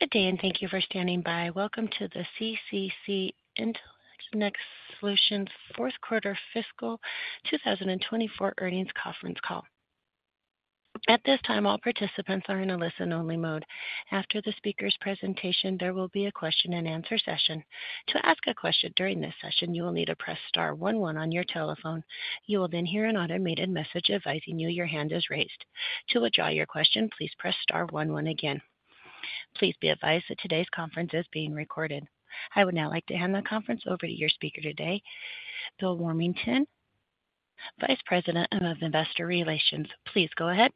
Good day, and thank you for standing by. Welcome to the CCC Intelligent Solutions Fourth Quarter Fiscal 2024 Earnings Conference Call. At this time, all participants are in a listen-only mode. After the speaker's presentation, there will be a Q&A session. To ask a question during this session, you will need to press star one one on your telephone. You will then hear an automated message advising you your hand is raised. To withdraw your question, please press star one one again. Please be advised that today's conference is being recorded. I would now like to hand the conference over to your speaker today, Chairman and CEO Githesh Ramamurthy, Vice President of Investor Relations. Please go ahead.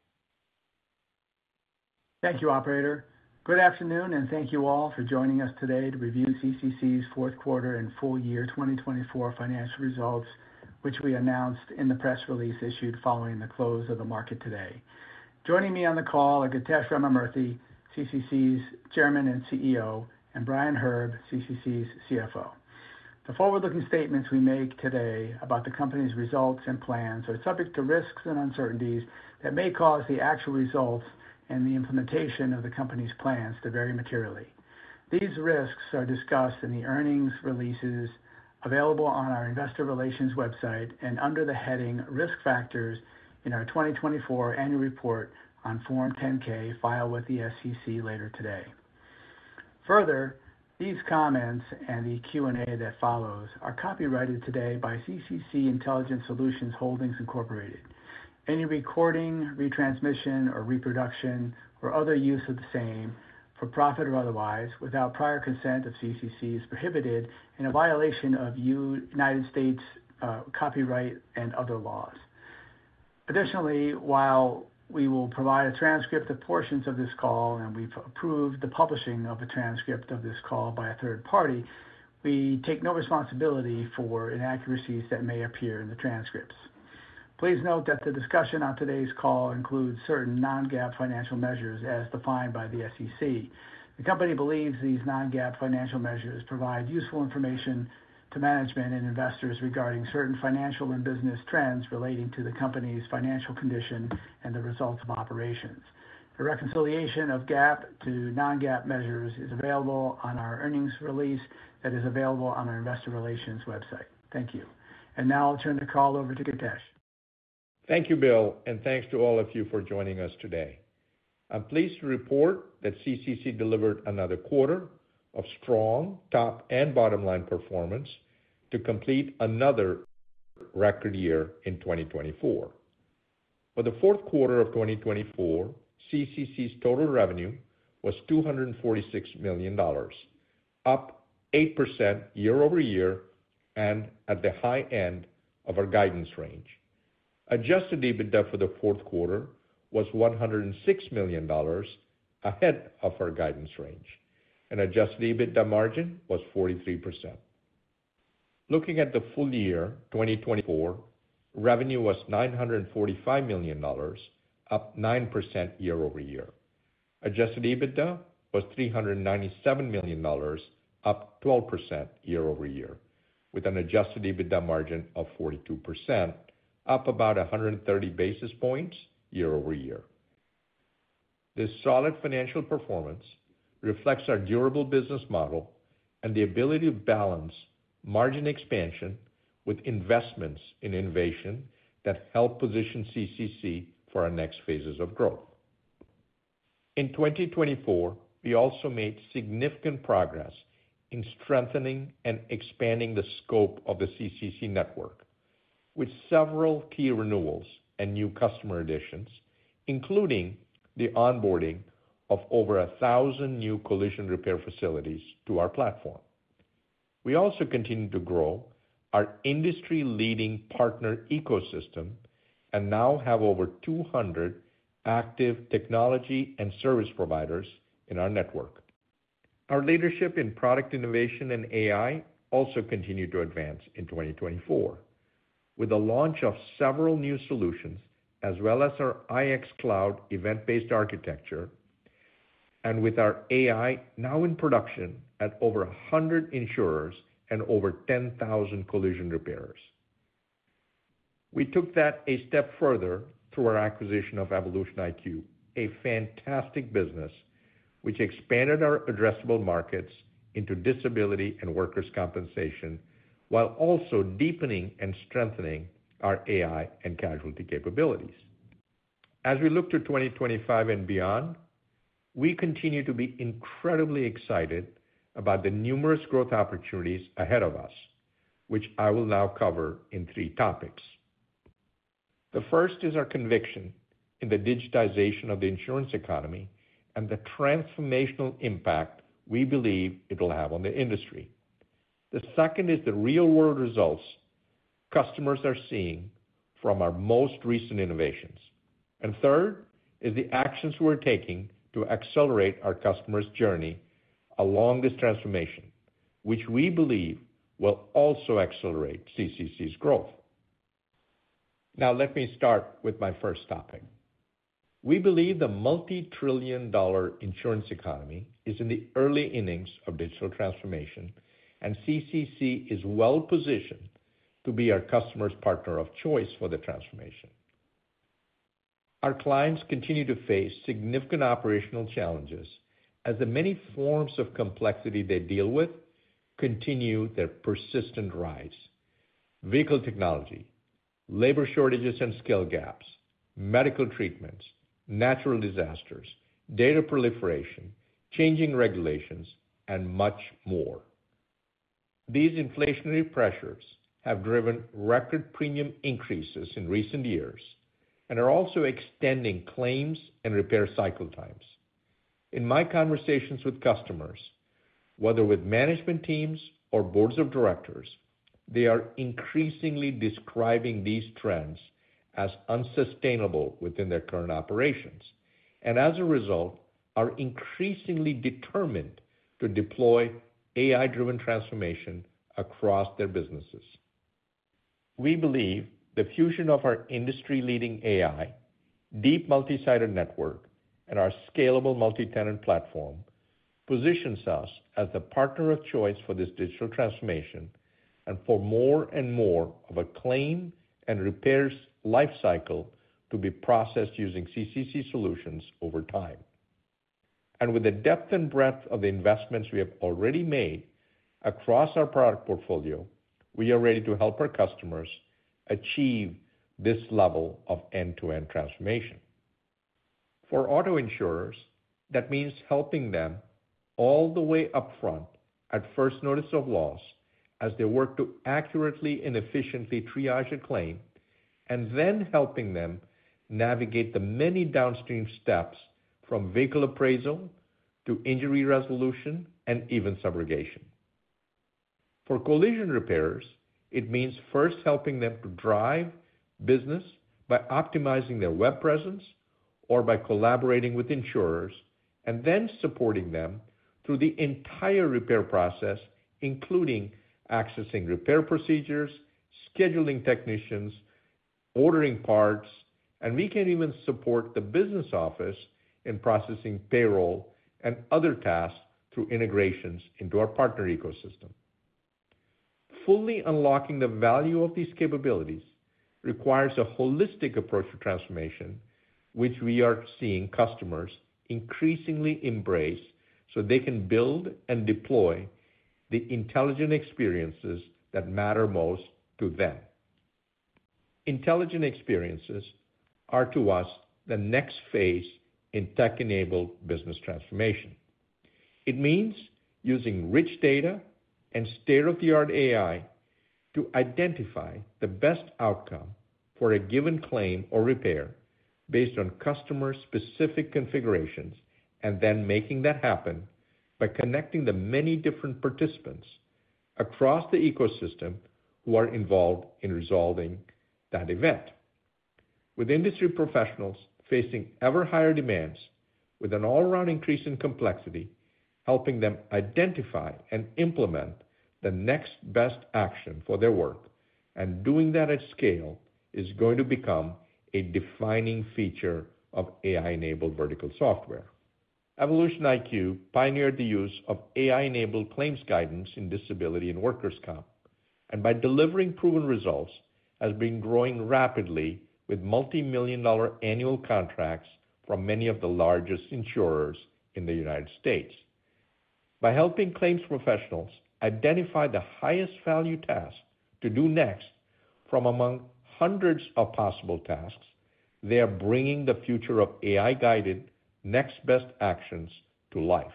Thank you, Operator. Good afternoon, and thank you all for joining us today to review CCC's Fourth Quarter and Full Year 2024 financial results, which we announced in the press release issued following the close of the market today. Joining me on the call are Githesh Ramamurthy, CCC's Chairman and CEO, and Brian Herb, CCC's CFO. The forward-looking statements we make today about the company's results and plans are subject to risks and uncertainties that may cause the actual results and the implementation of the company's plans to vary materially. These risks are discussed in the earnings releases available on our Investor Relations website and under the heading "Risk Factors" in our 2024 Annual Report on Form 10-K filed with the SEC later today. Further, these comments and the Q&A that follows are copyrighted today by CCC Intelligent Solutions Holdings Incorporated. Any recording, retransmission, or reproduction, or other use of the same, for profit or otherwise, without prior consent of CCC, is prohibited and a violation of United States Copyright and Other Laws. Additionally, while we will provide a transcript of portions of this call and we've approved the publishing of a transcript of this call by a third party, we take no responsibility for inaccuracies that may appear in the transcripts. Please note that the discussion on today's call includes certain non-GAAP financial measures as defined by the SEC. The company believes these non-GAAP financial measures provide useful information to management and investors regarding certain financial and business trends relating to the company's financial condition and the results of operations. The reconciliation of GAAP to non-GAAP measures is available on our earnings release that is available on our Investor Relations website. Thank you. Now I'll turn the call over to Githesh. Thank you, Bill, and thanks to all of you for joining us today. I'm pleased to report that CCC delivered another quarter of strong top and bottom-line performance to complete another record year in 2024. For the fourth quarter of 2024, CCC's total revenue was $246 million, up 8% year-over-year and at the high end of our guidance range. Adjusted EBITDA for the fourth quarter was $106 million ahead of our guidance range, and adjusted EBITDA margin was 43%. Looking at the full year, 2024 revenue was $945 million, up 9% year-over-year. Adjusted EBITDA was $397 million, up 12% year-over-year, with an adjusted EBITDA margin of 42%, up about 130 basis points year-over-year. This solid financial performance reflects our durable business model and the ability to balance margin expansion with investments in innovation that help position CCC for our next phases of growth. In 2024, we also made significant progress in strengthening and expanding the scope of the CCC network, with several key renewals and new customer additions, including the onboarding of over 1,000 new collision repair facilities to our platform. We also continue to grow our industry-leading partner ecosystem and now have over 200 active technology and service providers in our network. Our leadership in product innovation and AI also continued to advance in 2024, with the launch of several new solutions, as well as our IX Cloud event-based architecture, and with our AI now in production at over 100 insurers and over 10,000 collision repairers. We took that a step further through our acquisition of EvolutionIQ, a fantastic business, which expanded our addressable markets into disability and workers' compensation, while also deepening and strengthening our AI and casualty capabilities. As we look to 2025 and beyond, we continue to be incredibly excited about the numerous growth opportunities ahead of us, which I will now cover in three topics. The first is our conviction in the digitization of the insurance economy and the transformational impact we believe it will have on the industry. The second is the real-world results customers are seeing from our most recent innovations. And third is the actions we're taking to accelerate our customers' journey along this transformation, which we believe will also accelerate CCC's growth. Now, let me start with my first topic. We believe the multi-trillion-dollar insurance economy is in the early innings of digital transformation, and CCC is well-positioned to be our customer's partner of choice for the transformation. Our clients continue to face significant operational challenges as the many forms of complexity they deal with continue their persistent rise: vehicle technology, labor shortages and skill gaps, medical treatments, natural disasters, data proliferation, changing regulations, and much more. These inflationary pressures have driven record premium increases in recent years and are also extending claims and repair cycle times. In my conversations with customers, whether with management teams or boards of directors, they are increasingly describing these trends as unsustainable within their current operations, and as a result, are increasingly determined to deploy AI-driven transformation across their businesses. We believe the fusion of our industry-leading AI, deep multi-sided network, and our scalable multi-tenant platform positions us as the partner of choice for this digital transformation and for more and more of a claim and repairs life cycle to be processed using CCC solutions over time, and with the depth and breadth of the investments we have already made across our product portfolio, we are ready to help our customers achieve this level of end-to-end transformation. For auto insurers, that means helping them all the way upfront at first notice of loss as they work to accurately and efficiently triage a claim, and then helping them navigate the many downstream steps from vehicle appraisal to injury resolution and even subrogation. For collision repairers, it means first helping them to drive business by optimizing their web presence or by collaborating with insurers, and then supporting them through the entire repair process, including accessing repair procedures, scheduling technicians, ordering parts, and we can even support the business office in processing payroll and other tasks through integrations into our partner ecosystem. Fully unlocking the value of these capabilities requires a holistic approach to transformation, which we are seeing customers increasingly embrace so they can build and deploy the intelligent experiences that matter most to them. Intelligent experiences are, to us, the next phase in tech-enabled business transformation. It means using rich data and state-of-the-art AI to identify the best outcome for a given claim or repair based on customer-specific configurations and then making that happen by connecting the many different participants across the ecosystem who are involved in resolving that event. With industry professionals facing ever-higher demands, with an all-around increase in complexity, helping them identify and implement the next best action for their work, and doing that at scale is going to become a defining feature of AI-enabled vertical software. EvolutionIQ pioneered the use of AI-enabled claims guidance in disability and workers' comp, and by delivering proven results, has been growing rapidly with multi-million-dollar annual contracts from many of the largest insurers in the United States. By helping claims professionals identify the highest value task to do next from among hundreds of possible tasks, they are bringing the future of AI-guided next best actions to life.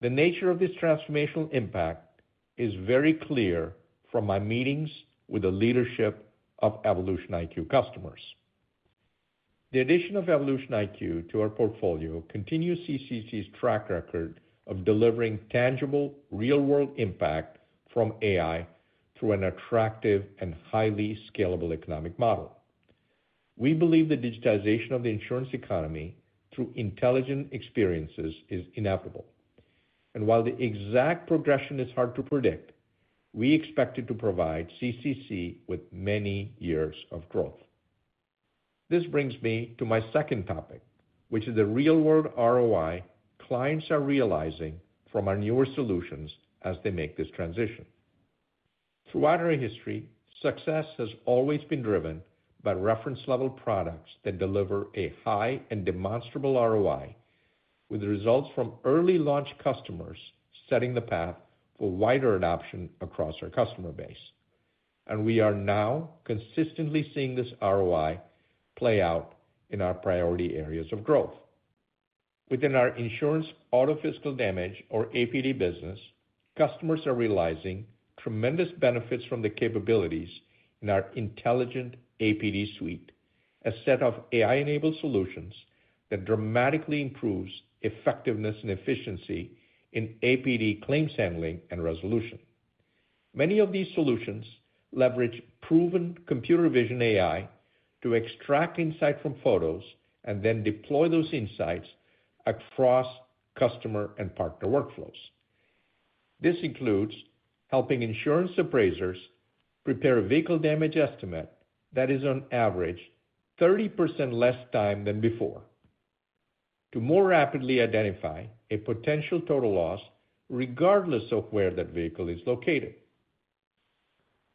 The nature of this transformational impact is very clear from my meetings with the leadership of EvolutionIQ customers. The addition of EvolutionIQ to our portfolio continues CCC's track record of delivering tangible, real-world impact from AI through an attractive and highly scalable economic model. We believe the digitization of the insurance economy through intelligent experiences is inevitable. And while the exact progression is hard to predict, we expect it to provide CCC with many years of growth. This brings me to my second topic, which is the real-world ROI clients are realizing from our newer solutions as they make this transition. Throughout our history, success has always been driven by reference-level products that deliver a high and demonstrable ROI, with results from early launch customers setting the path for wider adoption across our customer base. And we are now consistently seeing this ROI play out in our priority areas of growth. Within our insurance auto physical damage, or APD, business, customers are realizing tremendous benefits from the capabilities in our Intelligent APD Suite, a set of AI-enabled solutions that dramatically improves effectiveness and efficiency in APD claims handling and resolution. Many of these solutions leverage proven computer vision AI to extract insight from photos and then deploy those insights across customer and partner workflows. This includes helping insurance appraisers prepare a vehicle damage estimate that is, on average, 30% less time than before to more rapidly identify a potential total loss regardless of where that vehicle is located.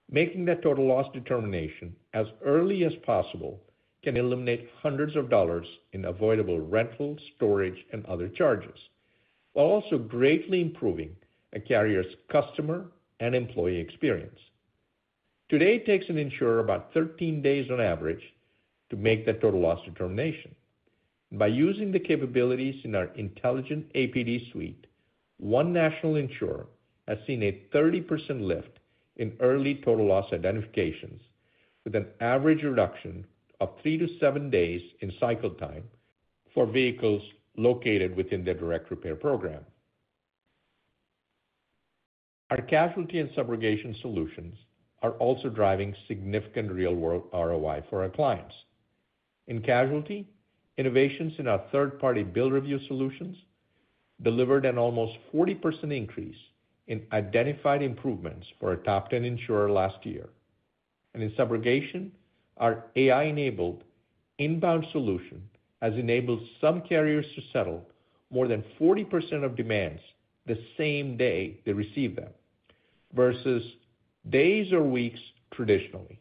Making that total loss determination as early as possible can eliminate hundreds of dollars in avoidable rental, storage, and other charges, while also greatly improving a carrier's customer and employee experience. Today, it takes an insurer about 13 days on average to make that total loss determination. By using the capabilities in our Intelligent APD Suite, one national insurer has seen a 30% lift in early total loss identifications, with an average reduction of three to seven days in cycle time for vehicles located within their direct repair program. Our casualty and subrogation solutions are also driving significant real-world ROI for our clients. In casualty, innovations in our Phird-party Bill Review solutions delivered an almost 40% increase in identified improvements for a top 10 insurer last year. And in subrogation, our AI-enabled inbound solution has enabled some carriers to settle more than 40% of demands the same day they receive them versus days or weeks traditionally.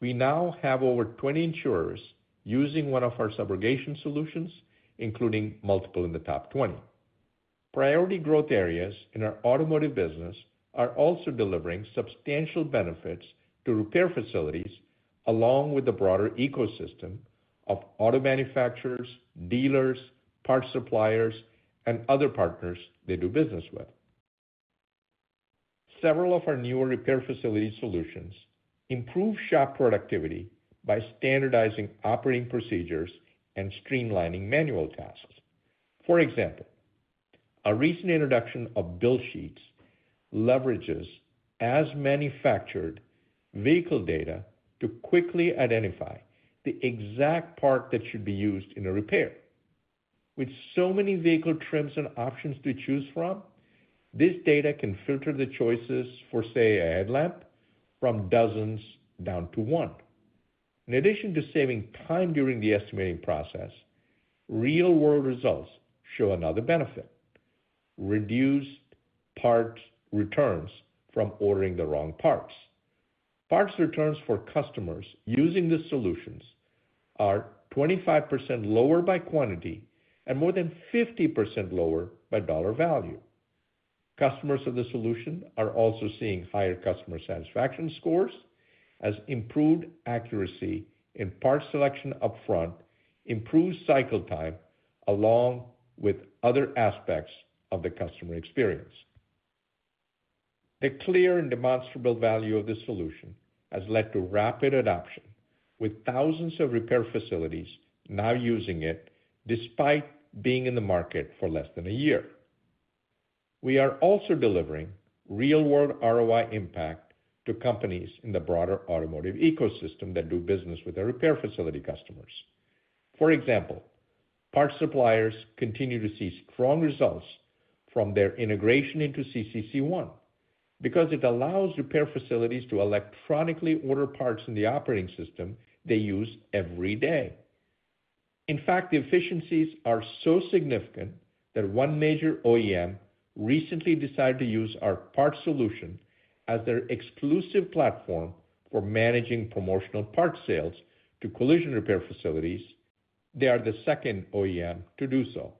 We now have over 20 insurers using one of our subrogation solutions, including multiple in the top 20. Priority growth areas in our automotive business are also delivering substantial benefits to repair facilities, along with the broader ecosystem of auto manufacturers, dealers, parts suppliers, and other partners they do business with. Several of our newer repair facility solutions improve shop productivity by standardizing operating procedures and streamlining manual tasks. For example, a recent introduction of Build Sheets leverages as manufactured vehicle data to quickly identify the exact part that should be used in a repair. With so many vehicle trims and options to choose from, this data can filter the choices for, say, a headlamp from dozens down to one. In addition to saving time during the estimating process, real-world results show another benefit: reduced parts returns from ordering the wrong parts. Parts returns for customers using the solutions are 25% lower by quantity and more than 50% lower by dollar value. Customers of the solution are also seeing higher customer satisfaction scores as improved accuracy in part selection upfront improves cycle time along with other aspects of the customer experience. The clear and demonstrable value of the solution has led to rapid adoption, with thousands of repair facilities now using it despite being in the market for less than a year. We are also delivering real-world ROI impact to companies in the broader automotive ecosystem that do business with our repair facility customers. For example, parts suppliers continue to see strong results from their integration into CCC ONE because it allows repair facilities to electronically order parts in the operating system they use every day. In fact, the efficiencies are so significant that one major OEM recently decided to use our part solution as their exclusive platform for managing promotional part sales to collision repair facilities. They are the second OEM to do so.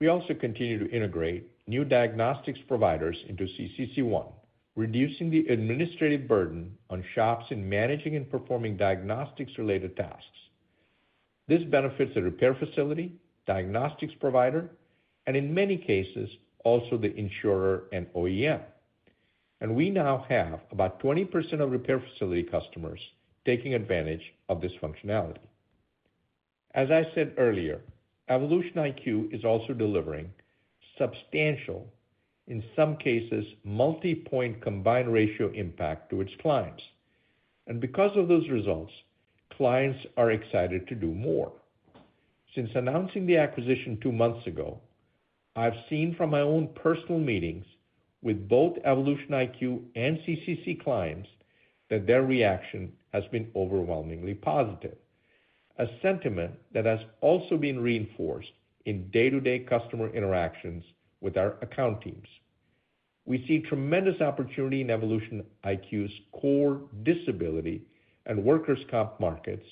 We also continue to integrate new diagnostics providers into CCC ONE, reducing the administrative burden on shops in managing and performing diagnostics-related tasks. This benefits the repair facility, diagnostics provider, and in many cases, also the insurer and OEM. And we now have about 20% of repair facility customers taking advantage of this functionality. As I said earlier, EvolutionIQ is also delivering substantial, in some cases, multi-point combined ratio impact to its clients. And because of those results, clients are excited to do more. Since announcing the acquisition two months ago, I've seen from my own personal meetings with both EvolutionIQ and CCC clients that their reaction has been overwhelmingly positive, a sentiment that has also been reinforced in day-to-day customer interactions with our account teams. We see tremendous opportunity in EvolutionIQ's core disability and workers' comp markets,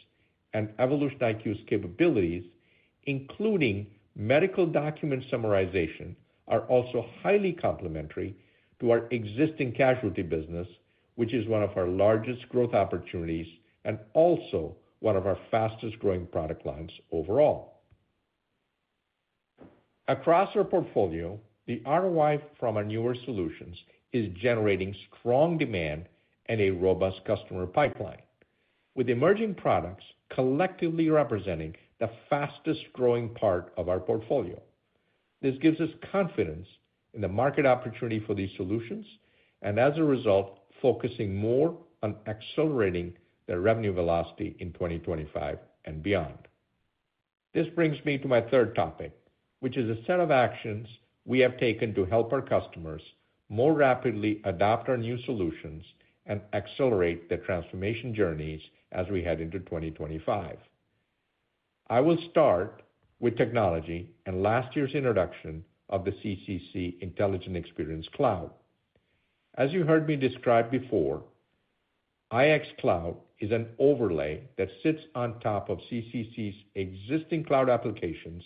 and EvolutionIQ's capabilities, including medical document summarization, are also highly complementary to our existing casualty business, which is one of our largest growth opportunities and also one of our fastest-growing product lines overall. Across our portfolio, the ROI from our newer solutions is generating strong demand and a robust customer pipeline, with emerging products collectively representing the fastest-growing part of our portfolio. This gives us confidence in the market opportunity for these solutions and, as a result, focusing more on accelerating their revenue velocity in 2025 and beyond. This brings me to my third topic, which is a set of actions we have taken to help our customers more rapidly adopt our new solutions and accelerate their transformation journeys as we head into 2025. I will start with technology and last year's introduction of the CCC Intelligent Experience Cloud. As you heard me describe before, IX Cloud is an overlay that sits on top of CCC's existing cloud applications,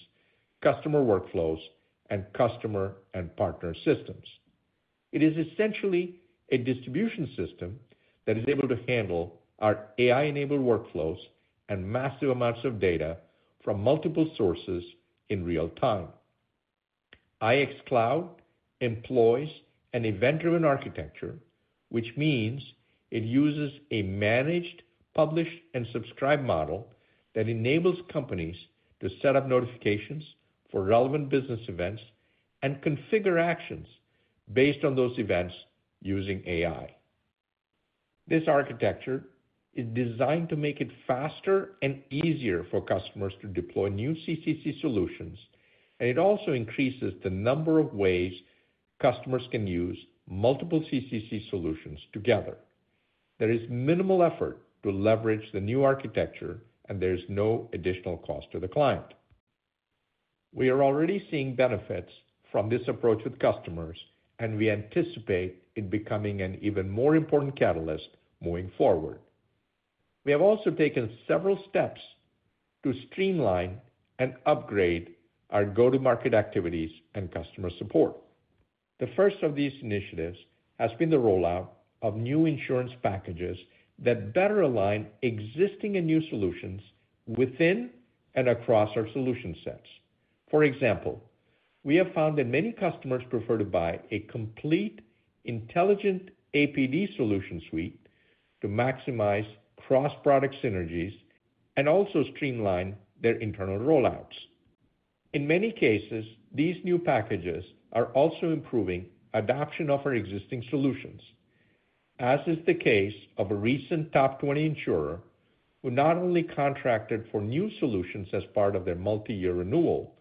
customer workflows, and customer and partner systems. It is essentially a distribution system that is able to handle our AI-enabled workflows and massive amounts of data from multiple sources in real time. IX Cloud employs an event-driven architecture, which means it uses a managed, published, and subscribed model that enables companies to set up notifications for relevant business events and configure actions based on those events using AI. This architecture is designed to make it faster and easier for customers to deploy new CCC solutions, and it also increases the number of ways customers can use multiple CCC solutions together. There is minimal effort to leverage the new architecture, and there is no additional cost to the client. We are already seeing benefits from this approach with customers, and we anticipate it becoming an even more important catalyst moving forward. We have also taken several steps to streamline and upgrade our go-to-market activities and customer support. The first of these initiatives has been the rollout of new insurance packages that better align existing and new solutions within and across our solution sets. For example, we have found that many customers prefer to buy a complete Intelligent APD Suite to maximize cross-product synergies and also streamline their internal rollouts. In many cases, these new packages are also improving adoption of our existing solutions, as is the case of a recent top 20 insurer who not only contracted for new solutions as part of their multi-year renewal,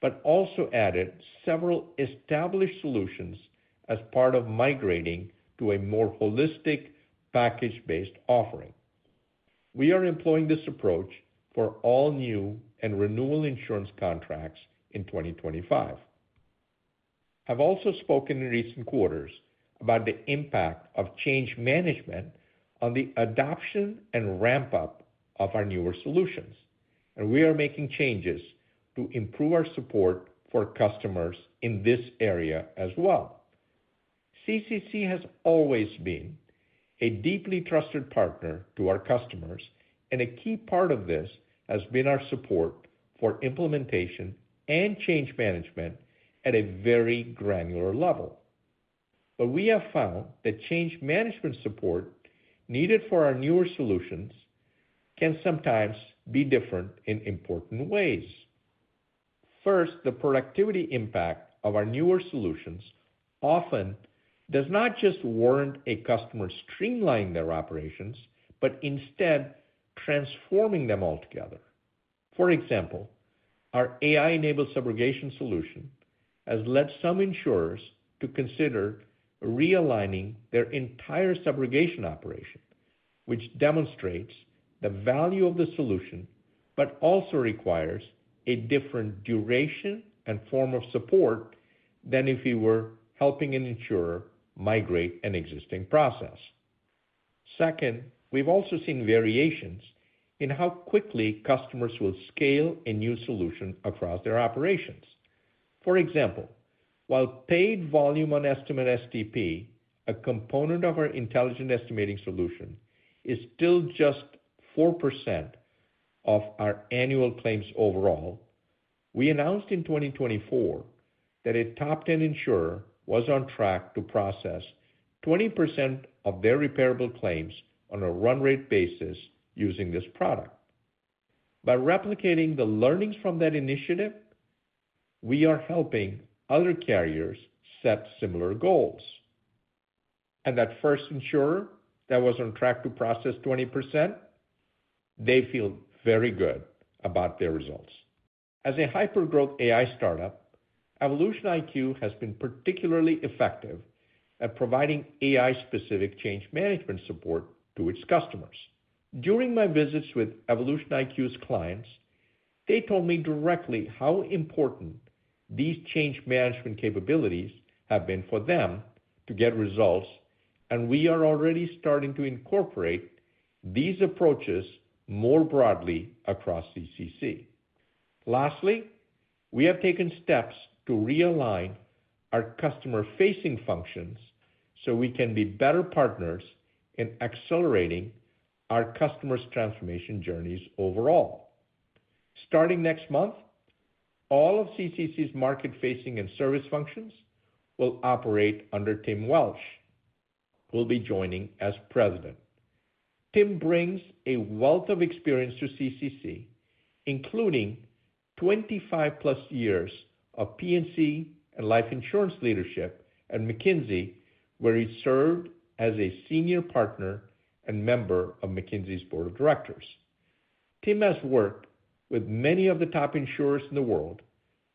but also added several established solutions as part of migrating to a more holistic package-based offering. We are employing this approach for all new and renewal insurance contracts in 2025. I've also spoken in recent quarters about the impact of change management on the adoption and ramp-up of our newer solutions. And we are making changes to improve our support for customers in this area as well. CCC has always been a deeply trusted partner to our customers, and a key part of this has been our support for implementation and change management at a very granular level. But we have found that change management support needed for our newer solutions can sometimes be different in important ways. First, the productivity impact of our newer solutions often does not just warrant a customer streamlining their operations, but instead transforming them altogether. For example, our AI-enabled subrogation solution has led some insurers to consider realigning their entire subrogation operation, which demonstrates the value of the solution, but also requires a different duration and form of support than if you were helping an insurer migrate an existing process. Second, we've also seen variations in how quickly customers will scale a new solution across their operations. For example, while paid volume on Estimate-STP, a component of our Intelligent Estimating solution, is still just 4% of our annual claims overall, we announced in 2024 that a top 10 insurer was on track to process 20% of their repairable claims on a run rate basis using this product. By replicating the learnings from that initiative, we are helping other carriers set similar goals, and that first insurer that was on track to process 20%, they feel very good about their results. As a hyper-growth AI startup, EvolutionIQ has been particularly effective at providing AI-specific change management support to its customers. During my visits with EvolutionIQ's clients, they told me directly how important these change management capabilities have been for them to get results, and we are already starting to incorporate these approaches more broadly across CCC. Lastly, we have taken steps to realign our customer-facing functions so we can be better partners in accelerating our customers' transformation journeys overall. Starting next month, all of CCC's market-facing and service functions will operate under Tim Welsh, who will be joining as president. Tim brings a wealth of experience to CCC, including 25-plus years of P&C and life insurance leadership at McKinsey, where he served as a senior partner and member of McKinsey's board of directors. Tim has worked with many of the top insurers in the world,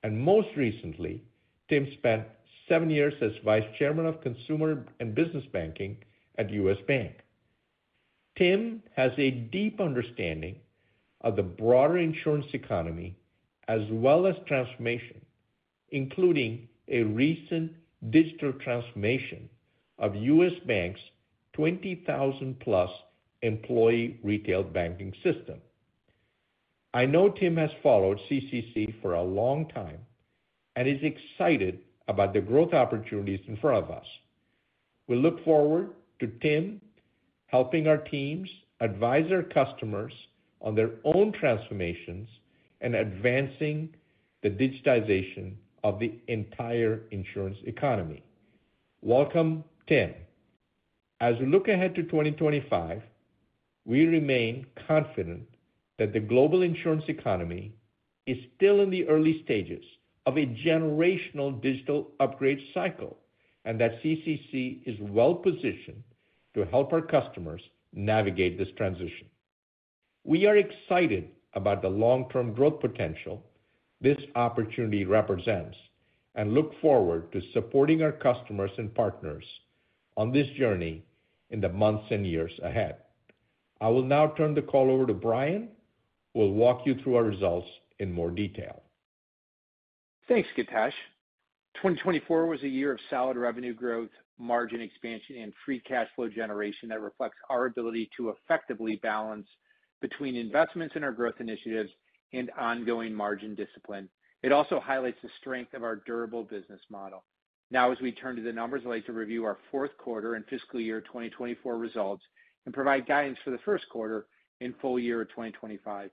and most recently, Tim spent seven years as vice chairman of Consumer and Business Banking at U.S. Bank. Tim has a deep understanding of the broader insurance economy as well as transformation, including a recent digital transformation of U.S. Bank's 20,000-plus employee retail banking system. I know Tim has followed CCC for a long time and is excited about the growth opportunities in front of us. We look forward to Tim helping our teams advise our customers on their own transformations and advancing the digitization of the entire insurance economy. Welcome, Tim. As we look ahead to 2025, we remain confident that the global insurance economy is still in the early stages of a generational digital upgrade cycle and that CCC is well-positioned to help our customers navigate this transition. We are excited about the long-term growth potential this opportunity represents and look forward to supporting our customers and partners on this journey in the months and years ahead. I will now turn the call over to Brian, who will walk you through our results in more detail. Thanks, Githesh. 2024 was a year of solid revenue growth, margin expansion, and free cash flow generation that reflects our ability to effectively balance between investments in our growth initiatives and ongoing margin discipline. It also highlights the strength of our durable business model. Now, as we turn to the numbers, I'd like to review our fourth quarter and fiscal year 2024 results and provide guidance for the first quarter and full year of 2025.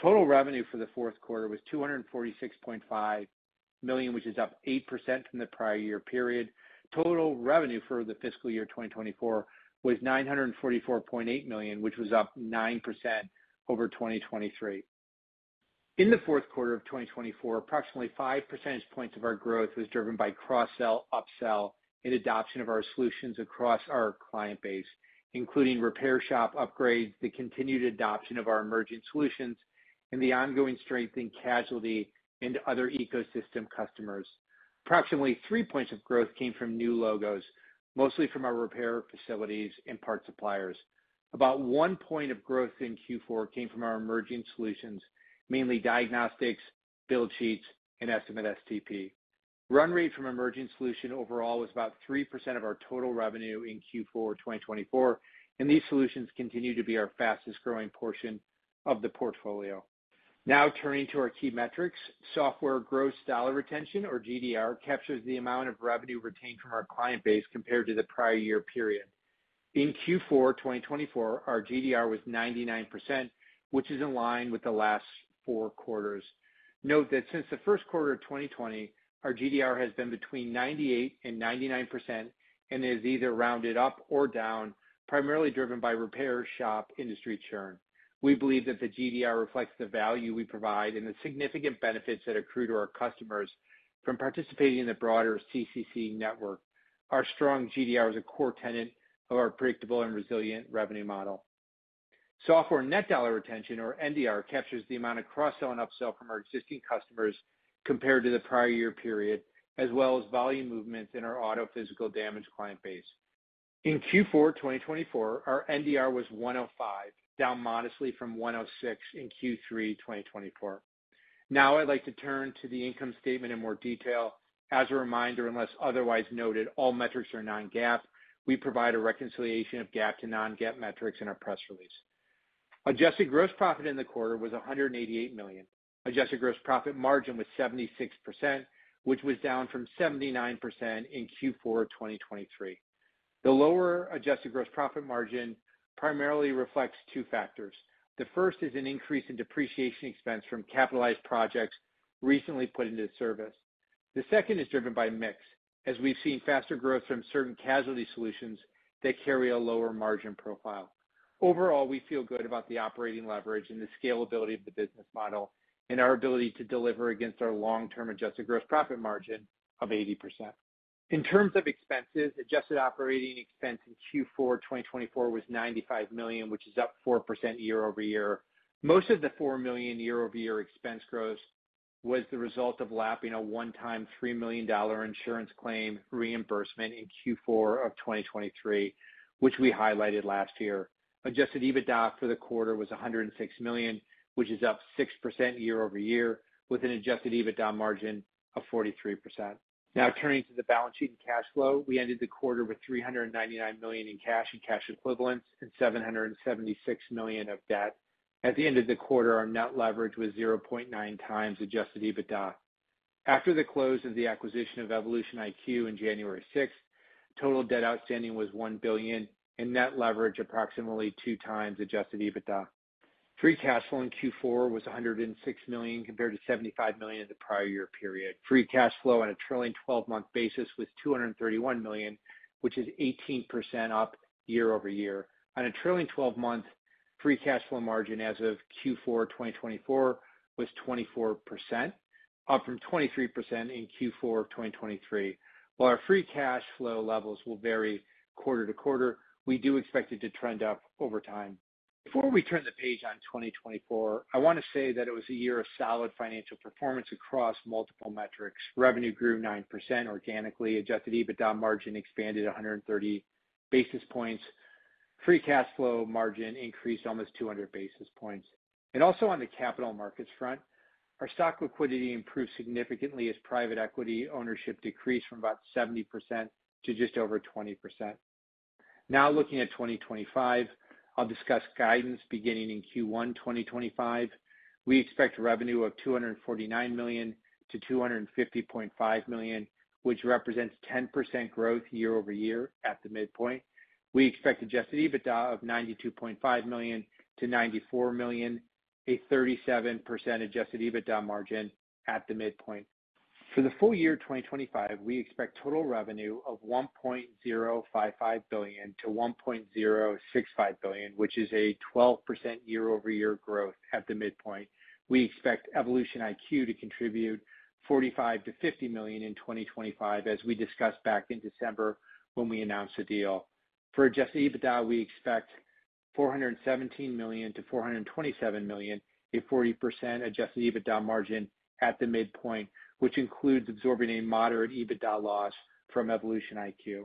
Total revenue for the fourth quarter was $246.5 million, which is up 8% from the prior year period. Total revenue for the fiscal year 2024 was $944.8 million, which was up 9% over 2023. In the fourth quarter of 2024, approximately 5 percentage points of our growth was driven by cross-sell, upsell, and adoption of our solutions across our client base, including repair shop upgrades, the continued adoption of our emerging solutions, and the ongoing strength in casualty and other ecosystem customers. Approximately 3 points of growth came from new logos, mostly from our repair facilities and part suppliers. About 1 point of growth in Q4 came from our emerging solutions, mainly diagnostics, build sheets, and Estimate-STP. Run rate from emerging solution overall was about 3% of our total revenue in Q4 2024, and these solutions continue to be our fastest-growing portion of the portfolio. Now, turning to our key metrics, gross dollar retention, or GDR, captures the amount of revenue retained from our client base compared to the prior year period. In Q4 2024, our GDR was 99%, which is in line with the last four quarters. Note that since the first quarter of 2020, our GDR has been between 98% and 99% and is either rounded up or down, primarily driven by repair shop industry churn. We believe that the GDR reflects the value we provide and the significant benefits that accrue to our customers from participating in the broader CCC network. Our strong GDR is a core tenet of our predictable and resilient revenue model. Software net dollar retention, or NDR, captures the amount of cross-sell and upsell from our existing customers compared to the prior year period, as well as volume movements in our auto physical damage client base. In Q4 2024, our NDR was 105, down modestly from 106 in Q3 2024. Now, I'd like to turn to the income statement in more detail. As a reminder, unless otherwise noted, all metrics are non-GAAP. We provide a reconciliation of GAAP to non-GAAP metrics in our press release. Adjusted gross profit in the quarter was $188 million. Adjusted gross profit margin was 76%, which was down from 79% in Q4 2023. The lower adjusted gross profit margin primarily reflects two factors. The first is an increase in depreciation expense from capitalized projects recently put into service. The second is driven by mix, as we've seen faster growth from certain casualty solutions that carry a lower margin profile. Overall, we feel good about the operating leverage and the scalability of the business model and our ability to deliver against our long-term adjusted gross profit margin of 80%. In terms of expenses, adjusted operating expense in Q4 2024 was $95 million, which is up 4% year-over-year. Most of the $4 million year-over-year expense growth was the result of lapping a one-time $3 million insurance claim reimbursement in Q4 of 2023, which we highlighted last year. Adjusted EBITDA for the quarter was $106 million, which is up 6% year-over-year, with an adjusted EBITDA margin of 43%. Now, turning to the balance sheet and cash flow, we ended the quarter with $399 million in cash and cash equivalents and $776 million of debt. At the end of the quarter, our net leverage was 0.9 times adjusted EBITDA. After the close of the acquisition of EvolutionIQ on January 6th, total debt outstanding was $1 billion and net leverage approximately 2 times adjusted EBITDA. Free cash flow in Q4 was $106 million compared to $75 million in the prior year period. Free cash flow on a trailing 12-month basis was $231 million, which is 18% up year-over-year. On a trailing 12-month free cash flow margin as of Q4 2024 was 24%, up from 23% in Q4 2023. While our free cash flow levels will vary quarter to quarter, we do expect it to trend up over time. Before we turn the page on 2024, I want to say that it was a year of solid financial performance across multiple metrics. Revenue grew 9% organically. Adjusted EBITDA margin expanded 130 basis points. Free cash flow margin increased almost 200 basis points. And also on the capital markets front, our stock liquidity improved significantly as private equity ownership decreased from about 70% to just over 20%. Now, looking at 2025, I'll discuss guidance beginning in Q1 2025. We expect revenue of $249 million-$250.5 million, which represents 10% growth year-over-year at the midpoint. We expect Adjusted EBITDA of $92.5 million to $94 million, a 37% Adjusted EBITDA margin at the midpoint. For the full year 2025, we expect total revenue of $1.055 billion-$1.065 billion, which is a 12% year-over-year growth at the midpoint. We expect EvolutionIQ to contribute $45 million to $50 million in 2025, as we discussed back in December when we announced the deal. For Adjusted EBITDA, we expect $417 million to $427 million, a 40% Adjusted EBITDA margin at the midpoint, which includes absorbing a moderate EBITDA loss from EvolutionIQ.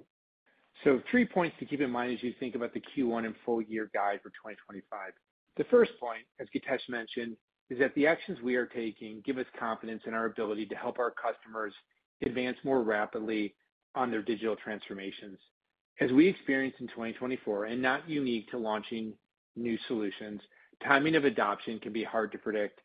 So, three points to keep in mind as you think about the Q1 and full year guide for 2025. The first point, as Githesh mentioned, is that the actions we are taking give us confidence in our ability to help our customers advance more rapidly on their digital transformations. As we experienced in 2024, and not unique to launching new solutions, timing of adoption can be hard to predict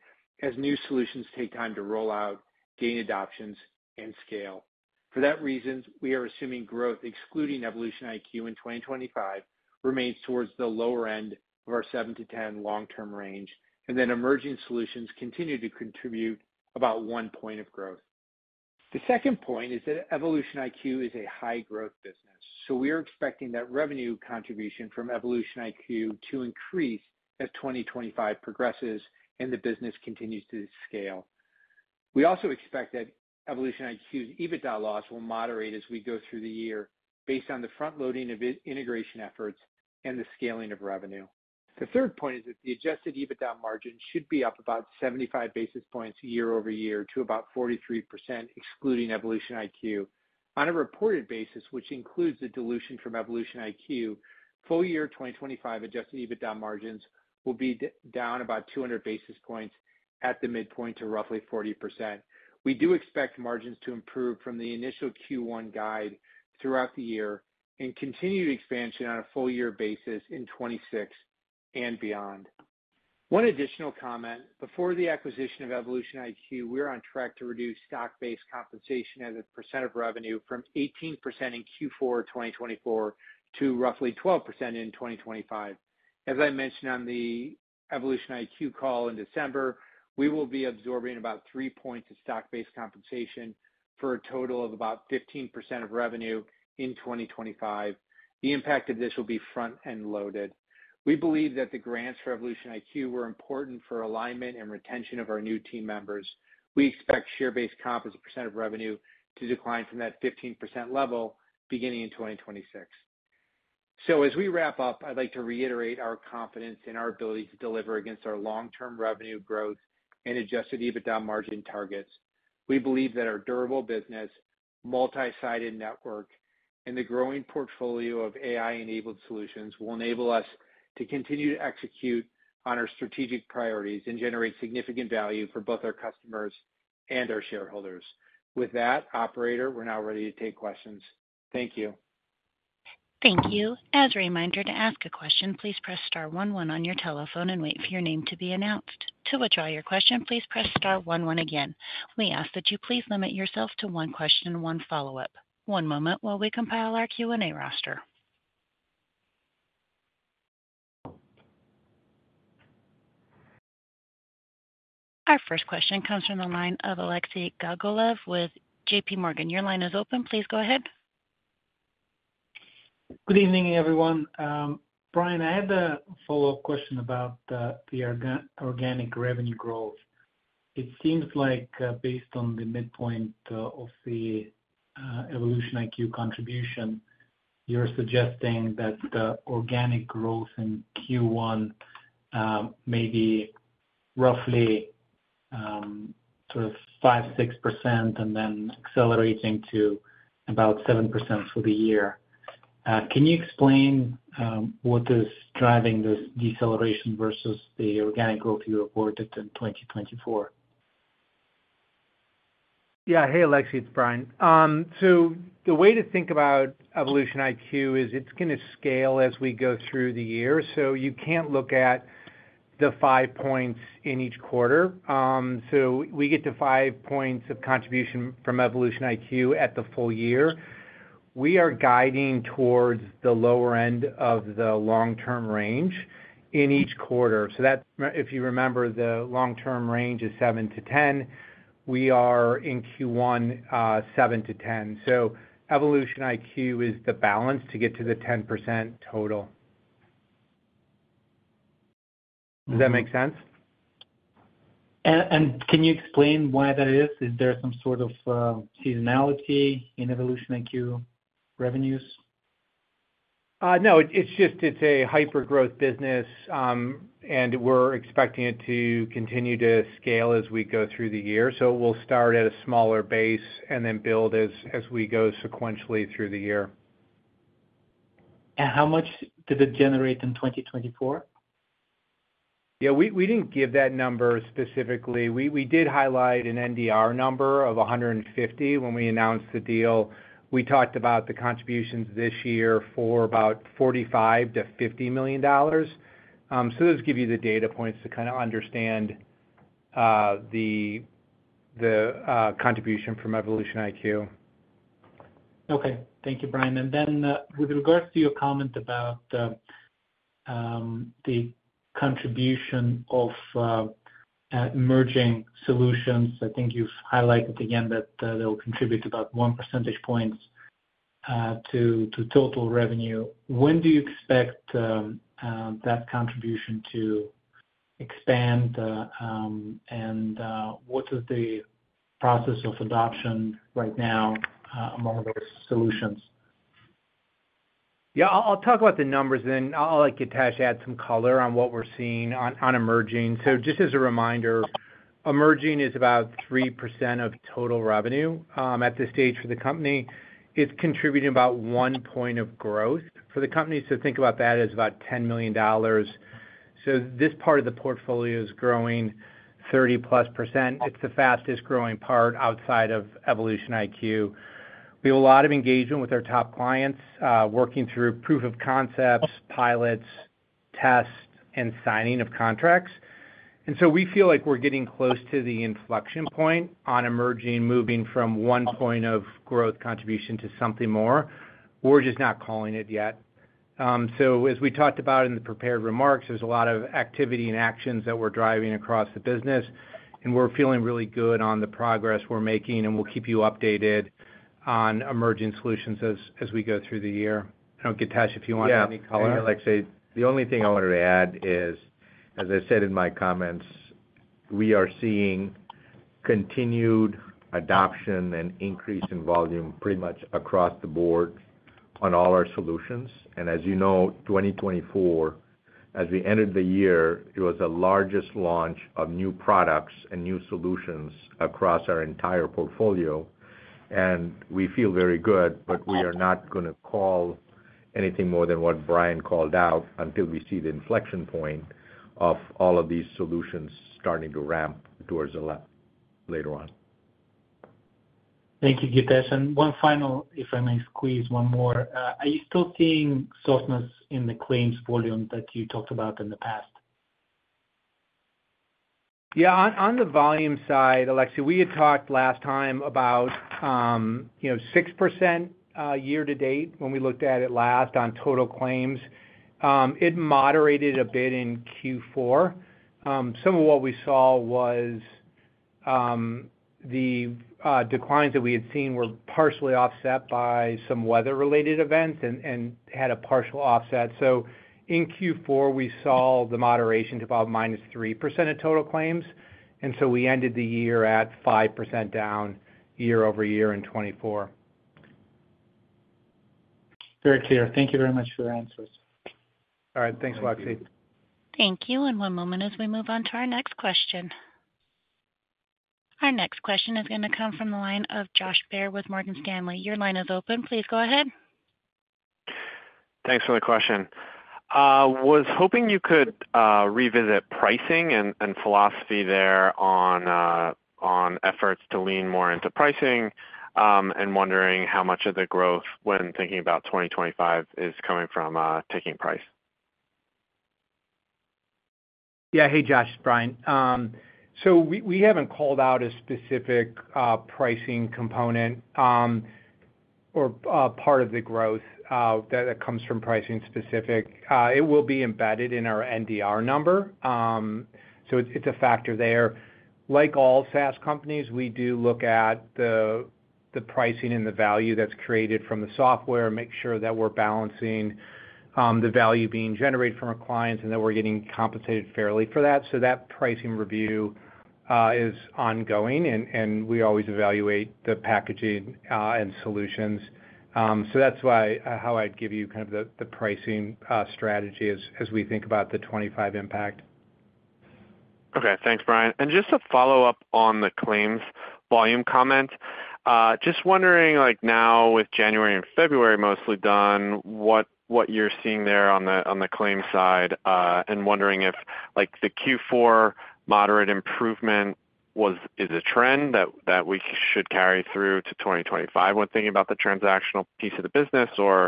as new solutions take time to roll out, gain adoptions, and scale. For that reason, we are assuming growth excluding EvolutionIQ in 2025 remains towards the lower end of our 7-10 long-term range, and that emerging solutions continue to contribute about one point of growth. The second point is that EvolutionIQ is a high-growth business, so we are expecting that revenue contribution from EvolutionIQ to increase as 2025 progresses and the business continues to scale. We also expect that EvolutionIQ's EBITDA loss will moderate as we go through the year based on the front-loading of integration efforts and the scaling of revenue. The third point is that the Adjusted EBITDA margin should be up about 75 basis points year-over-year to about 43% excluding EvolutionIQ. On a reported basis, which includes the dilution from EvolutionIQ, full year 2025 Adjusted EBITDA margins will be down about 200 basis points at the midpoint to roughly 40%. We do expect margins to improve from the initial Q1 guide throughout the year and continue expansion on a full year basis in 2026 and beyond. One additional comment: before the acquisition of EvolutionIQ, we are on track to reduce stock-based compensation as a percent of revenue from 18% in Q4 2024 to roughly 12% in 2025. As I mentioned on the EvolutionIQ call in December, we will be absorbing about 3 points of stock-based compensation for a total of about 15% of revenue in 2025. The impact of this will be front-end loaded. We believe that the grants for EvolutionIQ were important for alignment and retention of our new team members. We expect share-based comp as a percent of revenue to decline from that 15% level beginning in 2026. So, as we wrap up, I'd like to reiterate our confidence in our ability to deliver against our long-term revenue growth and Adjusted EBITDA margin targets. We believe that our durable business, multi-sided network, and the growing portfolio of AI-enabled solutions will enable us to continue to execute on our strategic priorities and generate significant value for both our customers and our shareholders. With that, Operator, we're now ready to take questions. Thank you. Thank you. As a reminder, to ask a question, please press star one one on your telephone and wait for your name to be announced. To withdraw your question, please press star one one again. We ask that you please limit yourself to one question and one follow-up. One moment while we compile our Q&A roster. Our first question comes from the line of Alexei Gogolev with JPMorgan. Your line is open. Please go ahead. Good evening, everyone. Brian, I had a follow-up question about the organic revenue growth. It seems like, based on the midpoint of EvolutionIQ contribution, you're suggesting that the organic growth in Q1 may be roughly sort of 5-6% and then accelerating to about 7% for the year. Can you explain what is driving this deceleration versus the organic growth you reported in 2024? Yeah. Hey, Alexei, it's Brian. So, the way to think EvolutionIQ is it's going to scale as we go through the year. So, you can't look at the five points in each quarter. We get to five points of contribution from EvolutionIQ at the full year. We are guiding towards the lower end of the long-term range in each quarter. If you remember, the long-term range is 7%-10%. We are in Q1 7%-10%. EvolutionIQ is the balance to get to the 10% total. Does that make sense? And can you explain why that is? Is there some sort of seasonality in EvolutionIQ revenues? No, it's just a hyper-growth business, and we're expecting it to continue to scale as we go through the year. We'll start at a smaller base and then build as we go sequentially through the year. And how much did it generate in 20 24? Yeah, we didn't give that number specifically. We did highlight an NDR number of 150 when we announced the deal. We talked about the contributions this year for about $45 million-$50 million. So, those give you the data points to kind of understand the contribution from EvolutionIQ. Okay. Thank you, Brian. And then, with regards to your comment about the contribution of emerging solutions, I think you've highlighted again that they'll contribute about 1 percentage point to total revenue. When do you expect that contribution to expand, and what is the process of adoption right now among those solutions? Yeah, I'll talk about the numbers, and then I'll let Githesh add some color on what we're seeing on emerging. So, just as a reminder, emerging is about 3% of total revenue at this stage for the company. It's contributing about 1 percentage point of growth for the company. So, think about that as about $10 million. So, this part of the portfolio is growing 30-plus%. It's the fastest-growing part outside of EvolutionIQ. We have a lot of engagement with our top clients, working through proof of concepts, pilots, tests, and signing of contracts. We feel like we're getting close to the inflection point on emerging, moving from one point of growth contribution to something more. We're just not calling it yet. As we talked about in the prepared remarks, there's a lot of activity and actions that we're driving across the business, and we're feeling really good on the progress we're making, and we'll keep you updated on emerging solutions as we go through the year. I don't know, Githesh, if you want to add any color. Yeah, Alexei, the only thing I wanted to add is, as I said in my comments, we are seeing continued adoption and increase in volume pretty much across the board on all our solutions. As you know, 2024, as we entered the year, it was the largest launch of new products and new solutions across our entire portfolio. And we feel very good, but we are not going to call anything more than what Brian called out until we see the inflection point of all of these solutions starting to ramp towards the left later on. Thank you, Githesh. And one final, if I may squeeze one more, are you still seeing softness in the claims volume that you talked about in the past? Yeah, on the volume side, Alexei, we had talked last time about 6% year-to-date when we looked at it last on total claims. It moderated a bit in Q4. Some of what we saw was the declines that we had seen were partially offset by some weather-related events and had a partial offset. In Q4, we saw the moderation to about -3% of total claims. And so, we ended the year at 5% down year-over-year in 2024. Very clear. Thank you very much for your answers. All right. Thanks, Alexei. Thank you. And one moment as we move on to our next question. Our next question is going to come from the line of Josh Baer with Morgan Stanley. Your line is open. Please go ahead. Thanks for the question. Was hoping you could revisit pricing and philosophy there on efforts to lean more into pricing and wondering how much of the growth when thinking about 2025 is coming from taking price. Yeah. Hey, Josh, Brian. So, we haven't called out a specific pricing component or part of the growth that comes from pricing specific. It will be embedded in our NDR number. So, it's a factor there. Like all SaaS companies, we do look at the pricing and the value that's created from the software and make sure that we're balancing the value being generated from our clients and that we're getting compensated fairly for that. So, that pricing review is ongoing, and we always evaluate the packaging and solutions. So, that's how I'd give you kind of the pricing strategy as we think about the 2025 impact. Okay. Thanks, Brian. And just to follow up on the claims volume comment, just wondering now with January and February mostly done, what you're seeing there on the claims side and wondering if the Q4 moderate improvement is a trend that we should carry through to 2025 when thinking about the transactional piece of the business, or